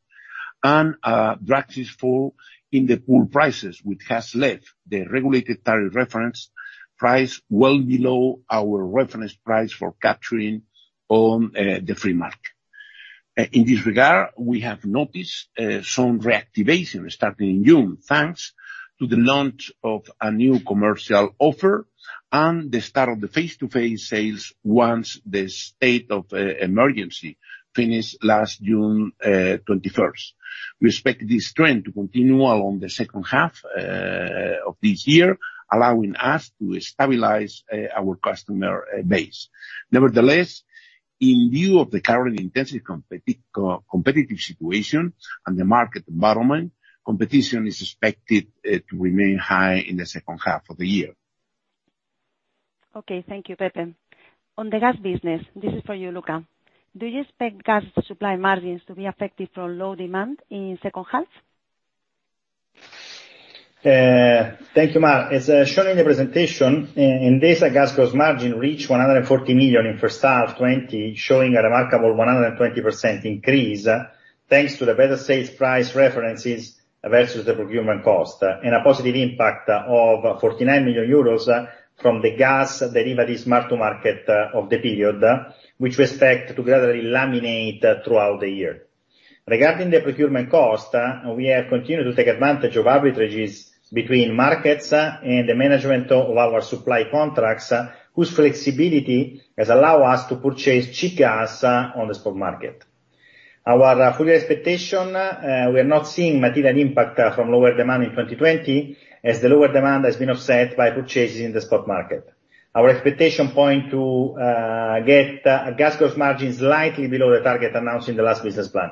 and a drastic fall in the power prices, which has left the regulated tariff reference price well below our reference price for capturing on the free market. In this regard, we have noticed some reactivation starting in June, thanks to the launch of a new commercial offer and the start of the face-to-face sales once the state of emergency finished last June 21st. We expect this trend to continue along the second half of this year, allowing us to stabilize our customer base. Nevertheless, in view of the current intensive competitive situation and the market environment, competition is expected to remain high in the second half of the year. Okay, thank you, Pepe. On the gas business, this is for you, Luca. Do you expect gas supply margins to be affected from low demand in the second half? Thank you, Mar. As shown in the presentation, Endesa's gas cost margin reached 140 million in the first half of 2020, showing a remarkable 120% increase thanks to the better sales price references versus the procurement cost, and a positive impact of 49 million euros from the gas derivatives market of the period, which we expect to gradually laminate throughout the year. Regarding the procurement cost, we have continued to take advantage of arbitrages between markets and the management of our supply contracts, whose flexibility has allowed us to purchase cheap gas on the spot market. Our full expectation, we are not seeing material impact from lower demand in 2020, as the lower demand has been offset by purchases in the spot market. Our expectation points to get gas cost margins slightly below the target announced in the last business plan.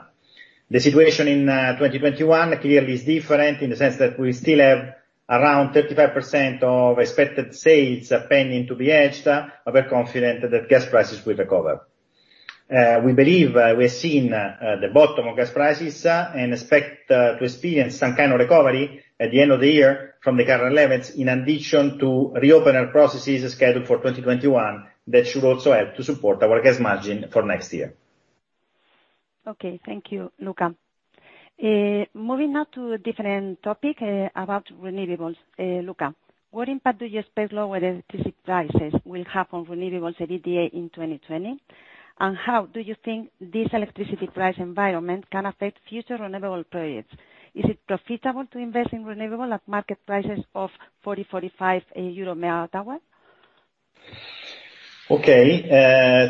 The situation in 2021 clearly is different in the sense that we still have around 35% of expected sales pending to be hedged, but we're confident that gas prices will recover. We believe we have seen the bottom of gas prices and expect to experience some kind of recovery at the end of the year from the current levels, in addition to reopener processes scheduled for 2021 that should also help to support our gas margin for next year. Okay, thank you, Luca. Moving now to a different topic about renewables, Luca. What impact do you expect lower electricity prices will have on renewables at ETA in 2020? How do you think this electricity price environment can affect future renewable projects? Is it profitable to invest in renewable at market prices of 40, 45 euro per MW hour? Okay,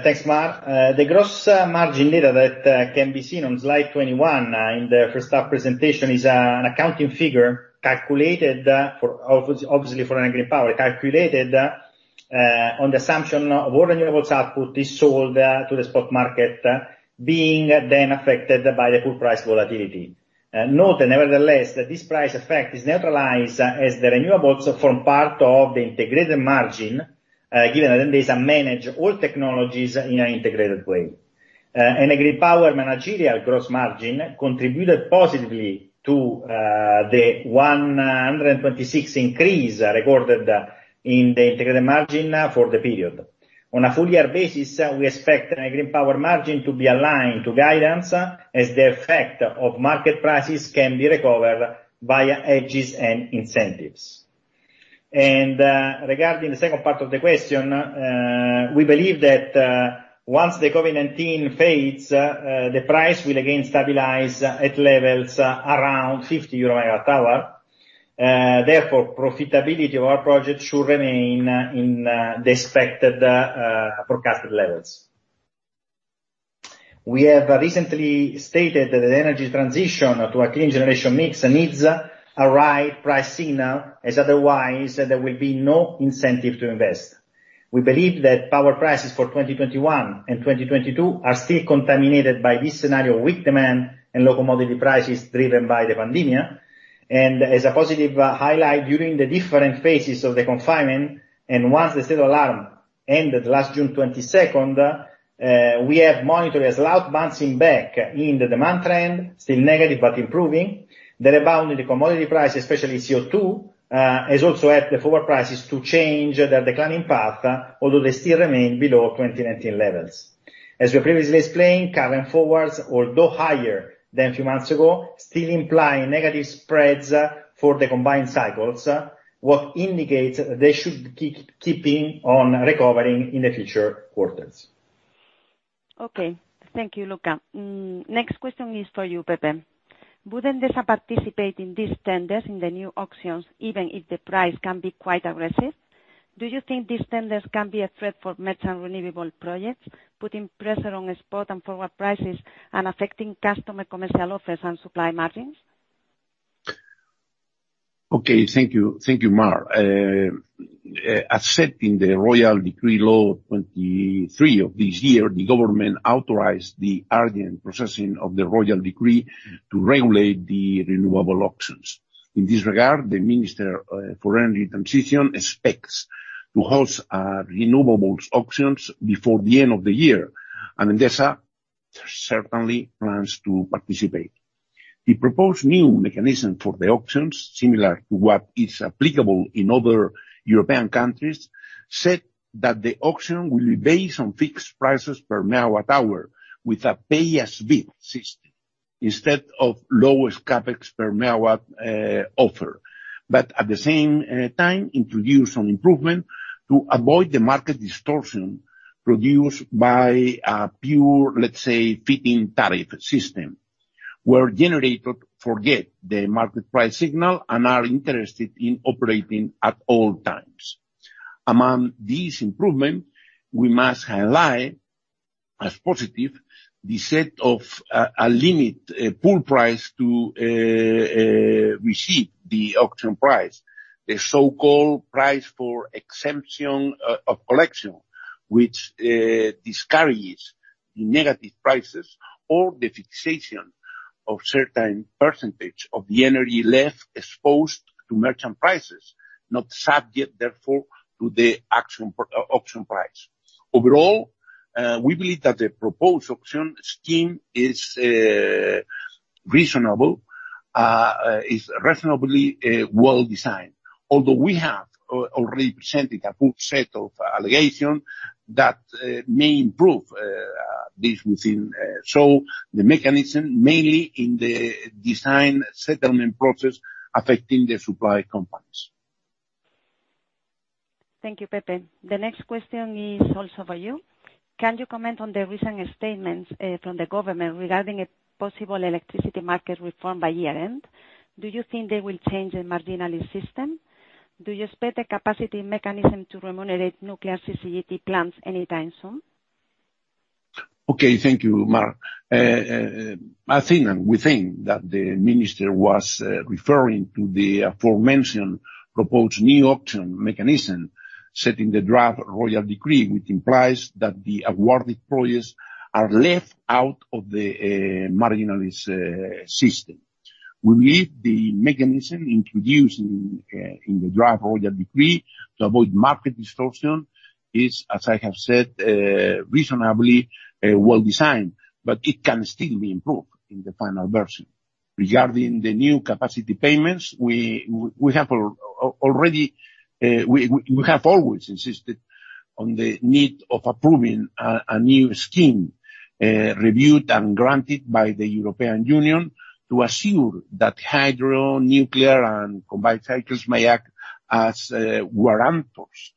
thanks, Mar. The gross margin data that can be seen on slide 21 in the first half presentation is an accounting figure, obviously for energy power, calculated on the assumption of all renewables output is sold to the spot market, being then affected by the poor price volatility. Note that nevertheless, this price effect is neutralized as the renewables form part of the integrated margin, given that Endesa manages all technologies in an integrated way. Energy power managerial gross margin contributed positively to the 126% increase recorded in the integrated margin for the period. On a full year basis, we expect energy power margin to be aligned to guidance as the effect of market prices can be recovered via hedges and incentives. Regarding the second part of the question, we believe that once the COVID-19 fades, the price will again stabilize at levels around 50 euro per MW hour. Therefore, profitability of our project should remain in the expected forecasted levels. We have recently stated that the energy transition to a clean generation mix needs a right price signal, as otherwise there will be no incentive to invest. We believe that power prices for 2021 and 2022 are still contaminated by this scenario with demand and local mobility prices driven by the pandemic. As a positive highlight, during the different phases of the confinement and once the state of alarm ended last June 22nd, we have monitored a loud bouncing back in the demand trend, still negative but improving. The rebound in the commodity price, especially CO2, has also helped the power prices to change their declining path, although they still remain below 2019 levels. As we previously explained, carving forwards, although higher than a few months ago, still imply negative spreads for the combined cycles, which indicates they should keep on recovering in the future quarters. Thank you, Luca. Next question is for you, Pepe. Would Endesa participate in these tenders in the new auctions even if the price can be quite aggressive? Do you think these tenders can be a threat for methane renewable projects, putting pressure on spot and forward prices and affecting customer commercial offers and supply margins? Thank you, Mar. As set in the Royal Decree Law 23 of this year, the government authorized the early processing of the Royal Decree to regulate the renewable auctions. In this regard, the Minister for Energy Transition expects to host renewables auctions before the end of the year, and Endesa certainly plans to participate. The proposed new mechanism for the auctions, similar to what is applicable in other European countries, said that the auction will be based on fixed prices per MW hour with a pay-as-bid system, instead of lowest CapEx per MW offer, but at the same time introduce an improvement to avoid the market distortion produced by a pure, let's say, feed-in tariff system. Where generators forget the market price signal and are interested in operating at all times. Among these improvements, we must highlight as positive the set of a limit pool price to receive the auction price, the so-called price for exemption of collection, which discourages negative prices or the fixation of certain percentage of the energy left exposed to merchant prices, not subject, therefore, to the auction price. Overall, we believe that the proposed auction scheme is reasonable, is reasonably well designed, although we have already presented a full set of allegations that may improve this within the mechanism, mainly in the design settlement process affecting the supply companies. Thank you, Pepe. The next question is also for you. Can you comment on the recent statements from the government regarding a possible electricity market reform by year-end? Do you think they will change the marginalist system? Do you expect a capacity mechanism to remunerate nuclear CCGT plants anytime soon? Okay, thank you, Mar. We think that the minister was referring to the aforementioned proposed new auction mechanism setting the draft Royal Decree, which implies that the awarded projects are left out of the marginalist system. We believe the mechanism introduced in the draft Royal Decree to avoid market distortion is, as I have said, reasonably well designed, but it can still be improved in the final version. Regarding the new capacity payments, we have always insisted on the need of approving a new scheme reviewed and granted by the European Union to assure that hydro, nuclear, and combined cycles may act as warrantors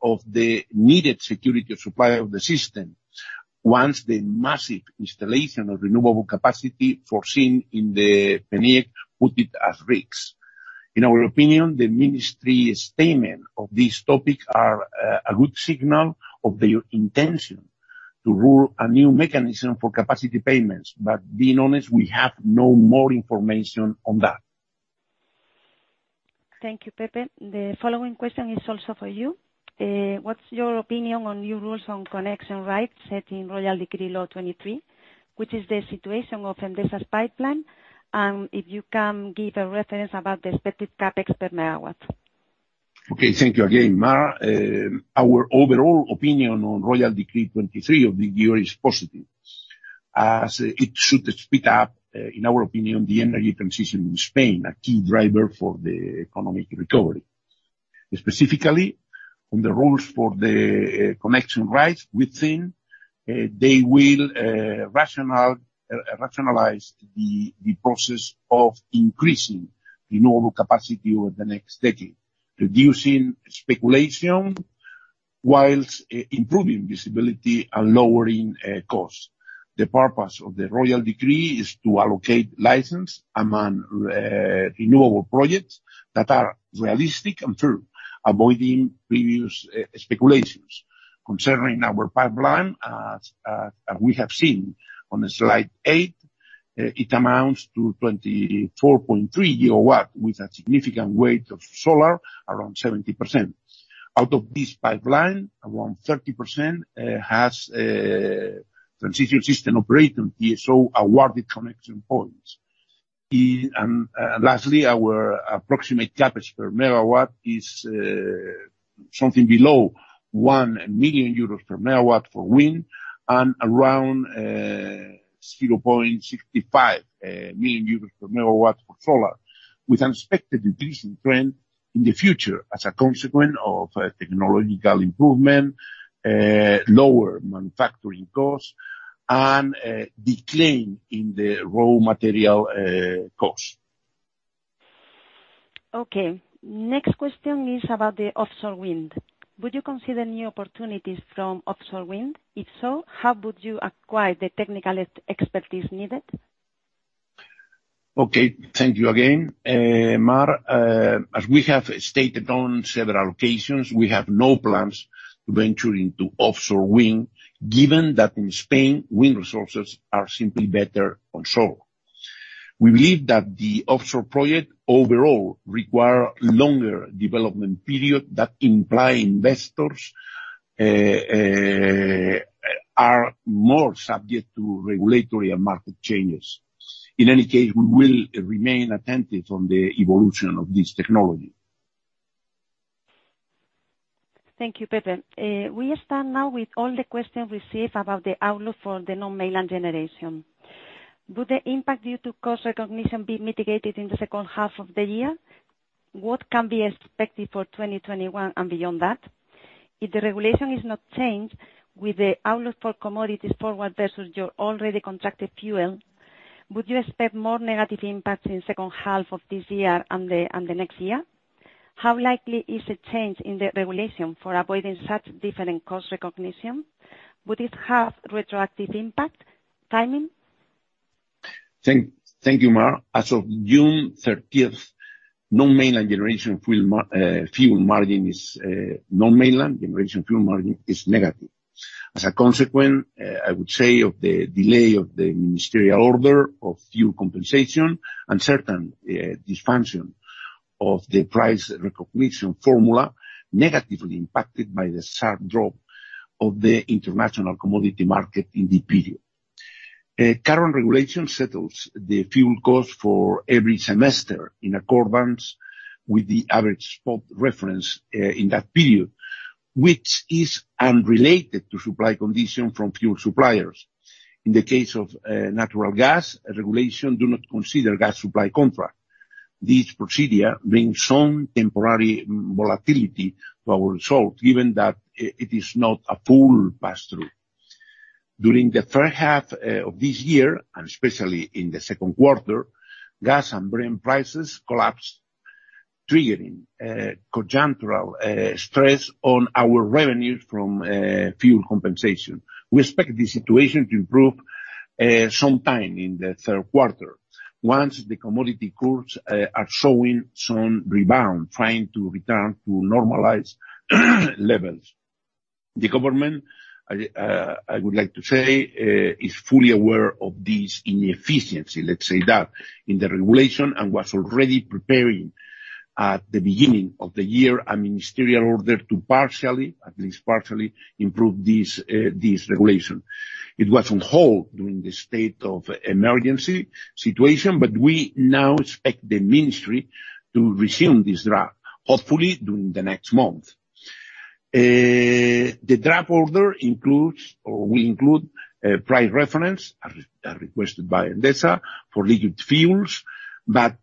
of the needed security of supply of the system once the massive installation of renewable capacity foreseen in the PNIEC put it at risk. In our opinion, the ministry's statement of these topics are a good signal of their intention to rule a new mechanism for capacity payments, but being honest, we have no more information on that. Thank you, Pepe. The following question is also for you. What's your opinion on new rules on connection rights set in Royal Decree Law 23, which is the situation of Endesa's pipeline, and if you can give a reference about the expected CapEx per MW? Thank you again, Mar. Our overall opinion on Royal Decree 23 of the year is positive, as it should speed up, in our opinion, the energy transition in Spain, a key driver for the economic recovery. Specifically, on the rules for the connection rights within, they will rationalize the process of increasing renewable capacity over the next decade, reducing speculation whilst improving visibility and lowering costs. The purpose of the Royal Decree is to allocate license among renewable projects that are realistic and true, avoiding previous speculations. Concerning our pipeline, as we have seen on slide 8, it amounts to 24.3 GW with a significant weight of solar, around 70%. Out of this pipeline, around 30% has transition system operator TSO awarded connection points. Lastly, our approximate CapEx per MW is something below 1 million euros per MW for wind and around 0.65 million euros per MW for solar, with an expected decreasing trend in the future as a consequence of technological improvement, lower manufacturing costs, and a decline in the raw material costs. The next question is about the offshore wind. Would you consider new opportunities from offshore wind? If so, how would you acquire the technical expertise needed? Thank you again, Mar. As we have stated on several occasions, we have no plans to venture into offshore wind, given that in Spain, wind resources are simply better on shore. We believe that the offshore project overall requires a longer development period that implies investors are more subject to regulatory and market changes. In any case, we will remain attentive on the evolution of this technology. Thank you, Pepe. We stand now with all the questions received about the outlook for the non-mainland generation. Would the impact due to cost recognition be mitigated in the second half of the year? What can be expected for 2021 and beyond that? If the regulation is not changed, with the outlook for commodities forward versus your already contracted fuel, would you expect more negative impacts in the second half of this year and the next year? How likely is a change in the regulation for avoiding such different cost recognition? Would it have retroactive impact timing? Thank you, Mar. As of June 30th, non-mainland generation fuel margin is negative. As a consequence, I would say, of the delay of the ministerial order of fuel compensation and certain dysfunction of the price recognition formula negatively impacted by the sharp drop of the international commodity market in the period. Current regulation settles the fuel cost for every semester in accordance with the average spot reference in that period, which is unrelated to supply condition from fuel suppliers. In the case of natural gas, regulation does not consider gas supply contracts. This procedure brings some temporary volatility to our result, given that it is not a full pass-through. During the first half of this year, and especially in the second quarter, gas and Brent prices collapsed, triggering conjunctural stress on our revenues from fuel compensation. We expect this situation to improve sometime in the third quarter once the commodity curves are showing some rebound, trying to return to normalized levels. The government, I would like to say, is fully aware of this inefficiency in the regulation and was already preparing at the beginning of the year a ministerial order to partially, at least partially, improve this regulation. It was on hold during the state of emergency situation, but we now expect the ministry to resume this draft, hopefully during the next month. The draft order includes or will include price reference requested by Endesa for liquid fuels that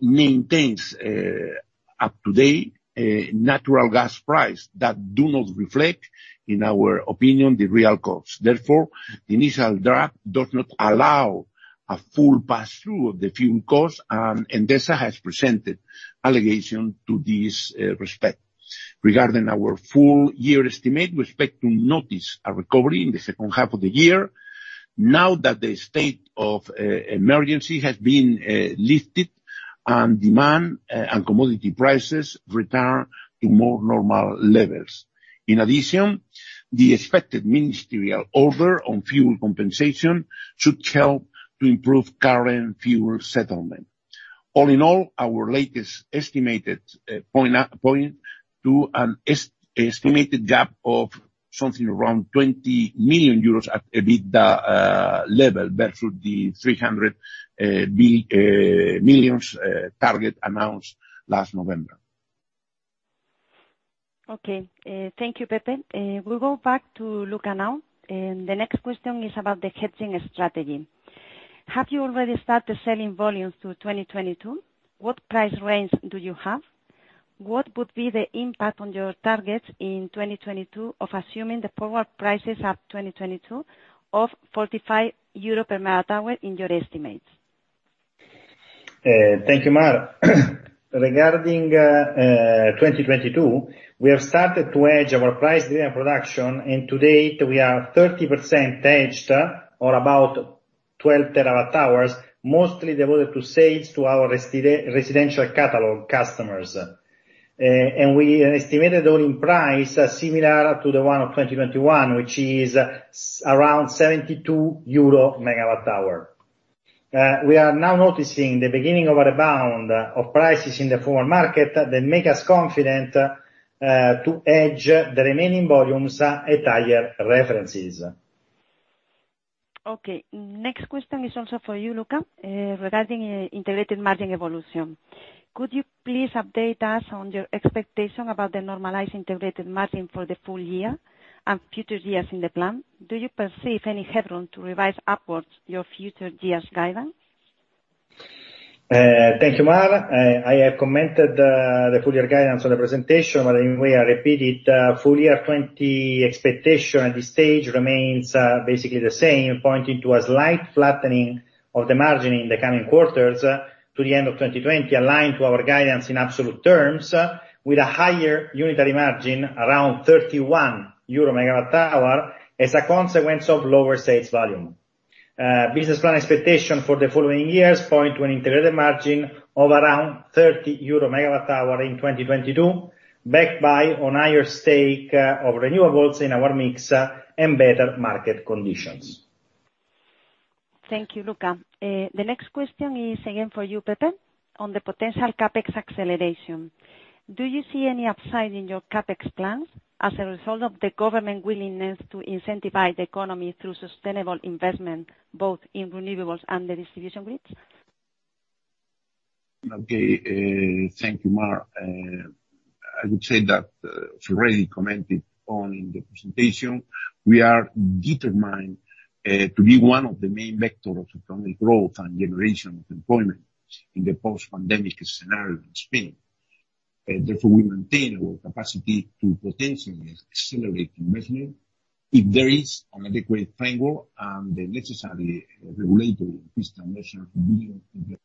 maintains up-to-date natural gas prices that do not reflect, in our opinion, the real costs. Therefore, the initial draft does not allow a full pass-through of the fuel costs, and Endesa has presented allegations to this respect. Regarding our full year estimate, we expect to notice a recovery in the second half of the year now that the state of emergency has been lifted and demand and commodity prices return to more normal levels. In addition, the expected ministerial order on fuel compensation should help to improve current fuel settlement. All in all, our latest estimates point to an estimated gap of something around 20 million euros at EBITDA level versus the 300 million target announced last November. Okay, thank you, Pepe. We'll go back to Luca now, and the next question is about the hedging strategy. Have you already started selling volumes through 2022? What price range do you have? What would be the impact on your targets in 2022 of assuming the forward prices at 2022 of 45 euro per MW hour in your estimates? Thank you, Mar. Regarding 2022, we have started to hedge our price-driven production, and to date, we are 30% hedged or about 12 terawatt hours, mostly devoted to sales to our residential catalog customers. We estimated the ordering price similar to the one of 2021, which is around 72 euro per MW hour. We are now noticing the beginning of a rebound of prices in the forward market that makes us confident to hedge the remaining volumes at higher references. The next question is also for you, Luca, regarding integrated margin evolution. Could you please update us on your expectation about the normalized integrated margin for the full year and future years in the plan? Do you perceive any headroom to revise upwards your future years' guidance? Thank you, Mar. I have commented the full year guidance on the presentation, but I will repeat it. Full year 2020 expectation at this stage remains basically the same, pointing to a slight flattening of the margin in the coming quarters to the end of 2020, aligned to our guidance in absolute terms with a higher unitary margin around 31 euro per MW hour as a consequence of lower sales volume. Business plan expectation for the following years points to an integrated margin of around 30 euro per MW hour in 2022, backed by a higher stake of renewables in our mix and better market conditions. Thank you, Luca. The next question is again for you, Pepe, on the potential CapEx acceleration. Do you see any upside in your CapEx plans as a result of the government's willingness to incentivize the economy through sustainable investment, both in renewables and the distribution grids? Okay, thank you, Mar. I would say that, as already commented on in the presentation, we are determined to be one of the main vectors of economic growth and generation of employment in the post-pandemic scenario in Spain. Therefore, we maintain our capacity to potentially accelerate investment if there is an adequate framework and the necessary regulatory and fiscal measures being implemented.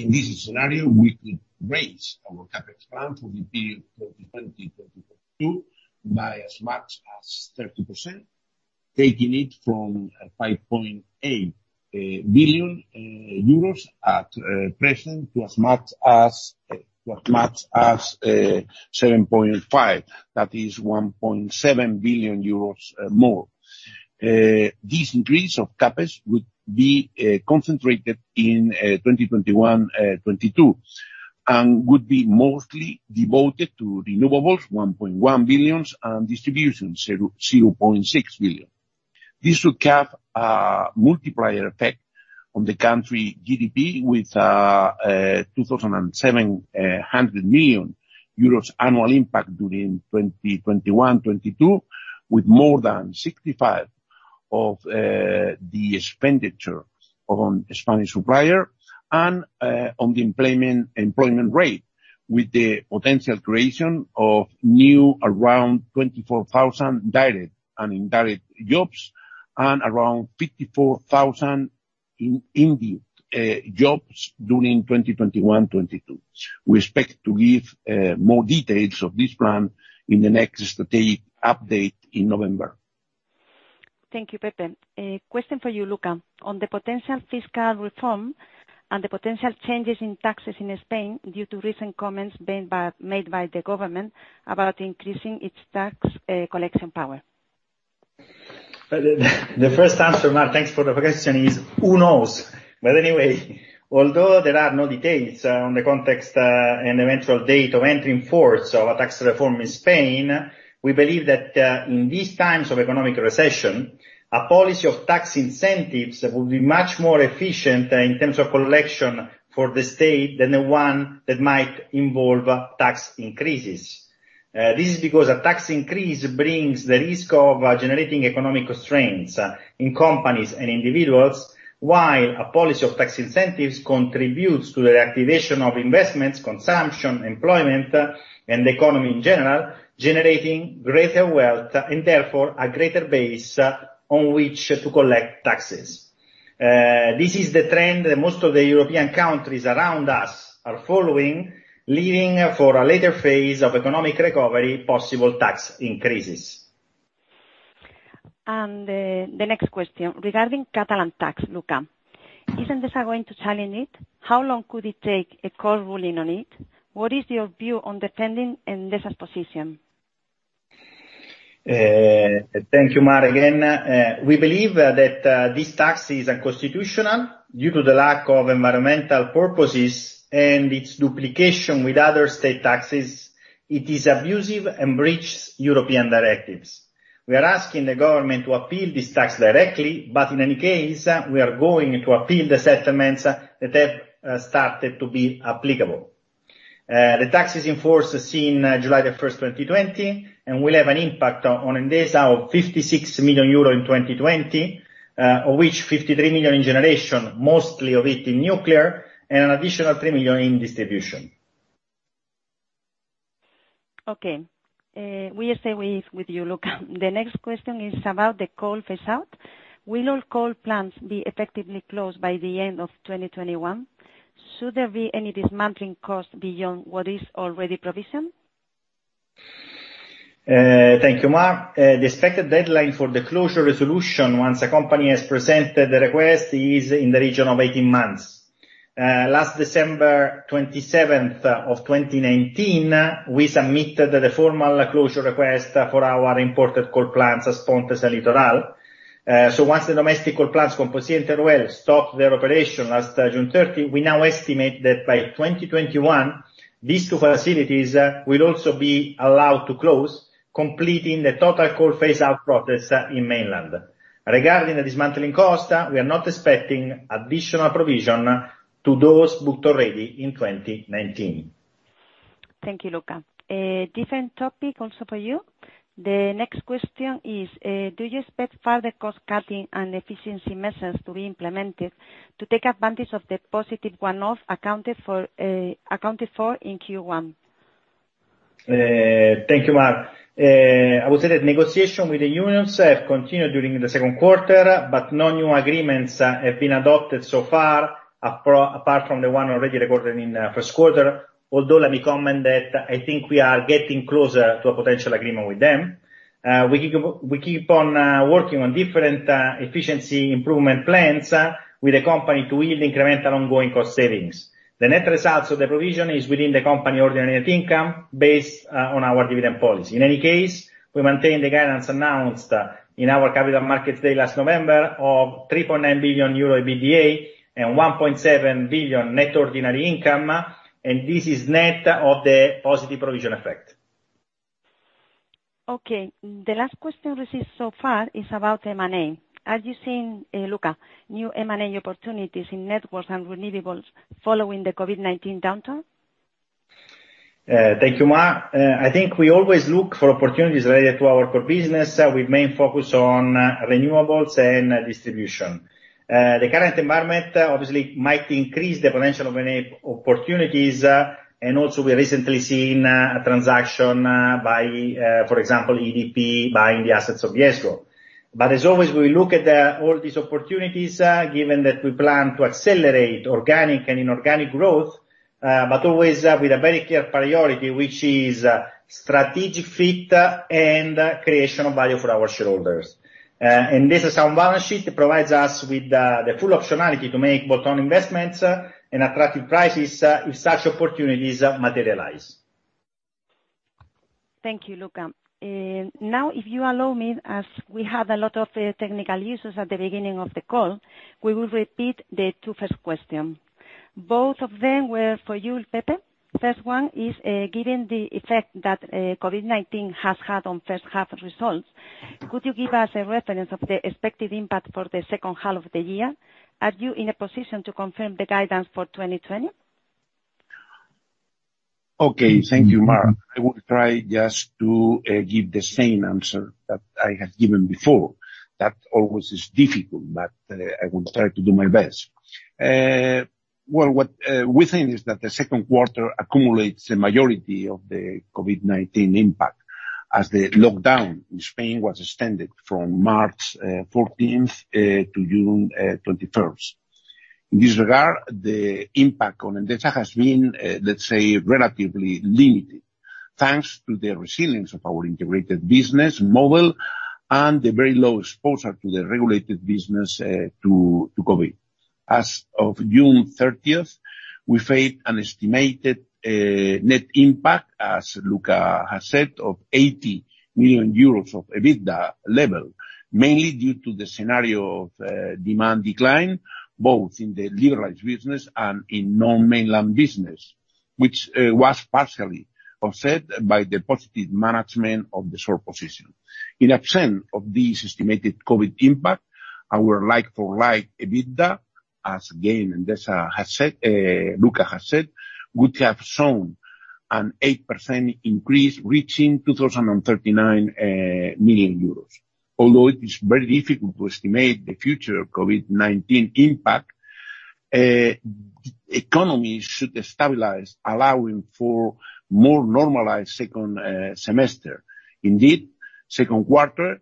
In this scenario, we could raise our CapEx plan for the period 2020-2022 by as much as 30%, taking it from 5.8 billion euros at present to as much as 7.5 billion, that is 1.7 billion euros more. This increase of CapEx would be concentrated in 2021-22 and would be mostly devoted to renewables, 1.1 billion, and distribution, 0.6 billion. This would have a multiplier effect on the country's GDP with 2.7 billion euros annual impact during 2021-22, with more than 65% of the expenditure on Spanish suppliers and on the employment rate, with the potential creation of around 24,000 direct and indirect jobs and around 54,000 induced jobs during 2021-22. We expect to give more details of this plan in the next strategic update in November. Thank you, Pepe. Question for you, Luca, on the potential fiscal reform and the potential changes in taxes in Spain due to recent comments made by the government about increasing its tax collection power. The first answer, Mar, thanks for the question, is who knows. But anyway, although there are no details on the context and eventual date of entering force of a tax reform in Spain, we believe that in these times of economic recession, a policy of tax incentives will be much more efficient in terms of collection for the state than the one that might involve tax increases. This is because a tax increase brings the risk of generating economic constraints in companies and individuals, while a policy of tax incentives contributes to the activation of investments, consumption, employment, and the economy in general, generating greater wealth and therefore a greater base on which to collect taxes. This is the trend that most of the European countries around us are following, leading for a later phase of economic recovery, possible tax increases. The next question regarding Catalan tax, Luca. Is Endesa going to challenge it? How long could it take a call ruling on it? What is your view on defending Endesa's position? Thank you, Mar, again. We believe that this tax is unconstitutional due to the lack of environmental purposes and its duplication with other state taxes. It is abusive and breaches European directives. We are asking the government to appeal this tax directly, but in any case, we are going to appeal the settlements that have started to be applicable. The tax is in force since July 1st, 2020, and will have an impact on Endesa of 56 million euro in 2020, of which 53 million in generation, mostly of it in nuclear, and an additional 3 million in distribution. We are staying with you, Luca. The next question is about the coal phase-out. Will all coal plants be effectively closed by the end of 2021? Should there be any dismantling cost beyond what is already provisioned? Thank you, Mar. The expected deadline for the closure resolution, once a company has presented the request, is in the region of 18 months. Last December 27th of 2019, we submitted the formal closure request for our imported coal plants at Pontes and Littoral. So once the domestic coal plants Compostilla and Teruel stopped their operation last June 30th, we now estimate that by 2021, these two facilities will also be allowed to close, completing the total coal phase-out process in mainland. Regarding the dismantling cost, we are not expecting additional provision to those booked already in 2019. Thank you, Luca. Different topic also for you. The next question is, do you expect further cost-cutting and efficiency measures to be implemented to take advantage of the positive one-off accounted for in Q1? Thank you, Mar. I would say that negotiations with the unions have continued during the second quarter, but no new agreements have been adopted so far, apart from the one already recorded in the first quarter, although let me comment that I think we are getting closer to a potential agreement with them. We keep on working on different efficiency improvement plans with the company to incremental ongoing cost savings. The net result of the provision is within the company ordinary net income based on our dividend policy. In any case, we maintain the guidance announced in our capital markets day last November of 3.9 billion euro EBITDA and 1.7 billion net ordinary income, and this is net of the positive provision effect. The last question received so far is about M&A. Have you seen, Luca, new M&A opportunities in networks and renewables following the COVID-19 downturn? Thank you, Mar. I think we always look for opportunities related to our core business with main focus on renewables and distribution. The current environment obviously might increase the potential of M&A opportunities, and also we recently seen a transaction by, for example, EDP buying the assets of Viesgo. But as always, we look at all these opportunities given that we plan to accelerate organic and inorganic growth, but always with a very clear priority, which is strategic fit and creation of value for our shareholders. This is our balance sheet that provides us with the full optionality to make both on investments and attractive prices if such opportunities materialize. Thank you, Luca. Now, if you allow me, as we had a lot of technical issues at the beginning of the call, we will repeat the two first questions. Both of them were for you, Pepe. First one is, given the effect that COVID-19 has had on first-half results, could you give us a reference of the expected impact for the second half of the year? Are you in a position to confirm the guidance for 2020? Okay, thank you, Mar. I will try just to give the same answer that I have given before. That always is difficult, but I will try to do my best. What we think is that the second quarter accumulates the majority of the COVID-19 impact as the lockdown in Spain was extended from March 14th to June 21st. In this regard, the impact on Endesa has been, let's say, relatively limited thanks to the resilience of our integrated business model and the very low exposure of the regulated business to COVID. As of June 30th, we face an estimated net impact, as Luca has said, of 80 million euros at EBITDA level, mainly due to the scenario of demand decline, both in the liberalized business and in non-mainland business, which was partially offset by the positive management of the coal position. In absence of this estimated COVID impact, our like-for-like EBITDA, as again Endesa has said, Luca has said, would have shown an 8% increase reaching 239 million euros, although it is very difficult to estimate the future COVID-19 impact. The economy should stabilize, allowing for a more normalized second semester. Indeed, the second quarter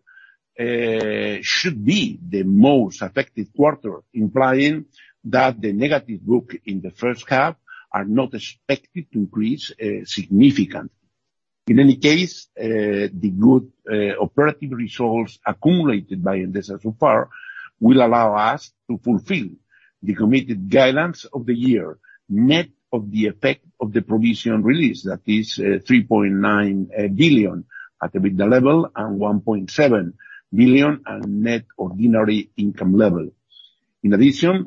should be the most affected quarter, implying that the negative impact in the first half is not expected to increase significantly. In any case, the good operative results accumulated by Endesa so far will allow us to fulfill the committed guidance of the year, net of the effect of the provision release, that is 3.9 billion at EBITDA level and 1.7 billion at net ordinary income level. In addition,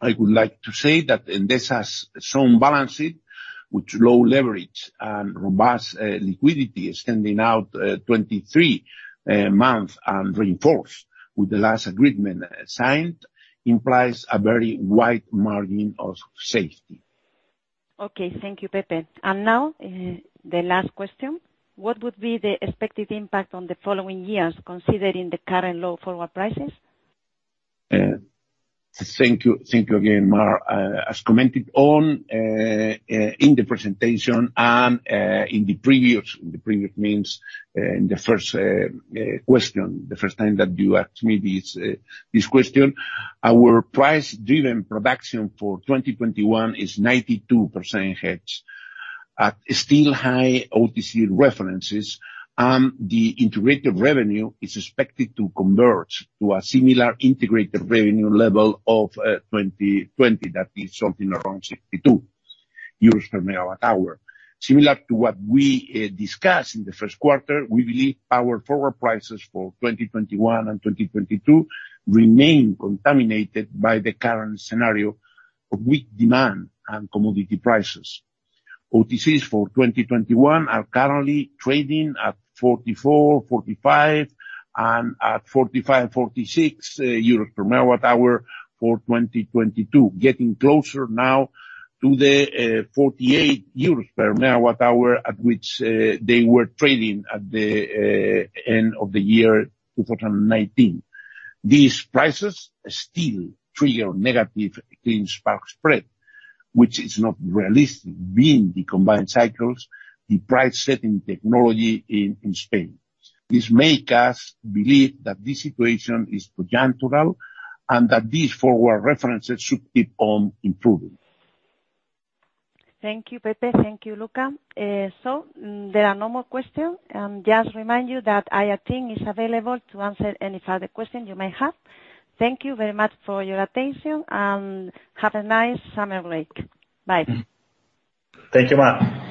I would like to say that Endesa has shown balance sheet with low leverage and robust liquidity extending out 23 months and reinforced with the last agreement signed, implies a very wide margin of safety. Okay, thank you, Pepe. Now the last question. What would be the expected impact on the following years considering the current low forward prices? Thank you again, Mar. As commented on in the presentation and in the previous meetings, in the first question, the first time that you asked me this question, our price-driven production for 2021 is 92% hedged at still high OTC references, and the integrated revenue is expected to convert to a similar integrated revenue level of 2020, that is something around 62 euros per MW hour. Similar to what we discussed in the first quarter, we believe our forward prices for 2021 and 2022 remain contaminated by the current scenario of weak demand and commodity prices. OTCs for 2021 are currently trading at 44, 45, and at 45, 46 euros per MW hour for 2022, getting closer now to the 48 euros per MW hour at which they were trading at the end of the year 2019. These prices still trigger negative clean spark spread, which is not realistic being the combined cycles the price-setting technology in Spain. This makes us believe that this situation is temporary and that these forward references should keep on improving. Thank you, Pepe. Thank you, Luca. So, there are no more questions. Just remind you that IR team is available to answer any further questions you may have. Thank you very much for your attention and have a nice summer break. Bye. Thank you, Mar.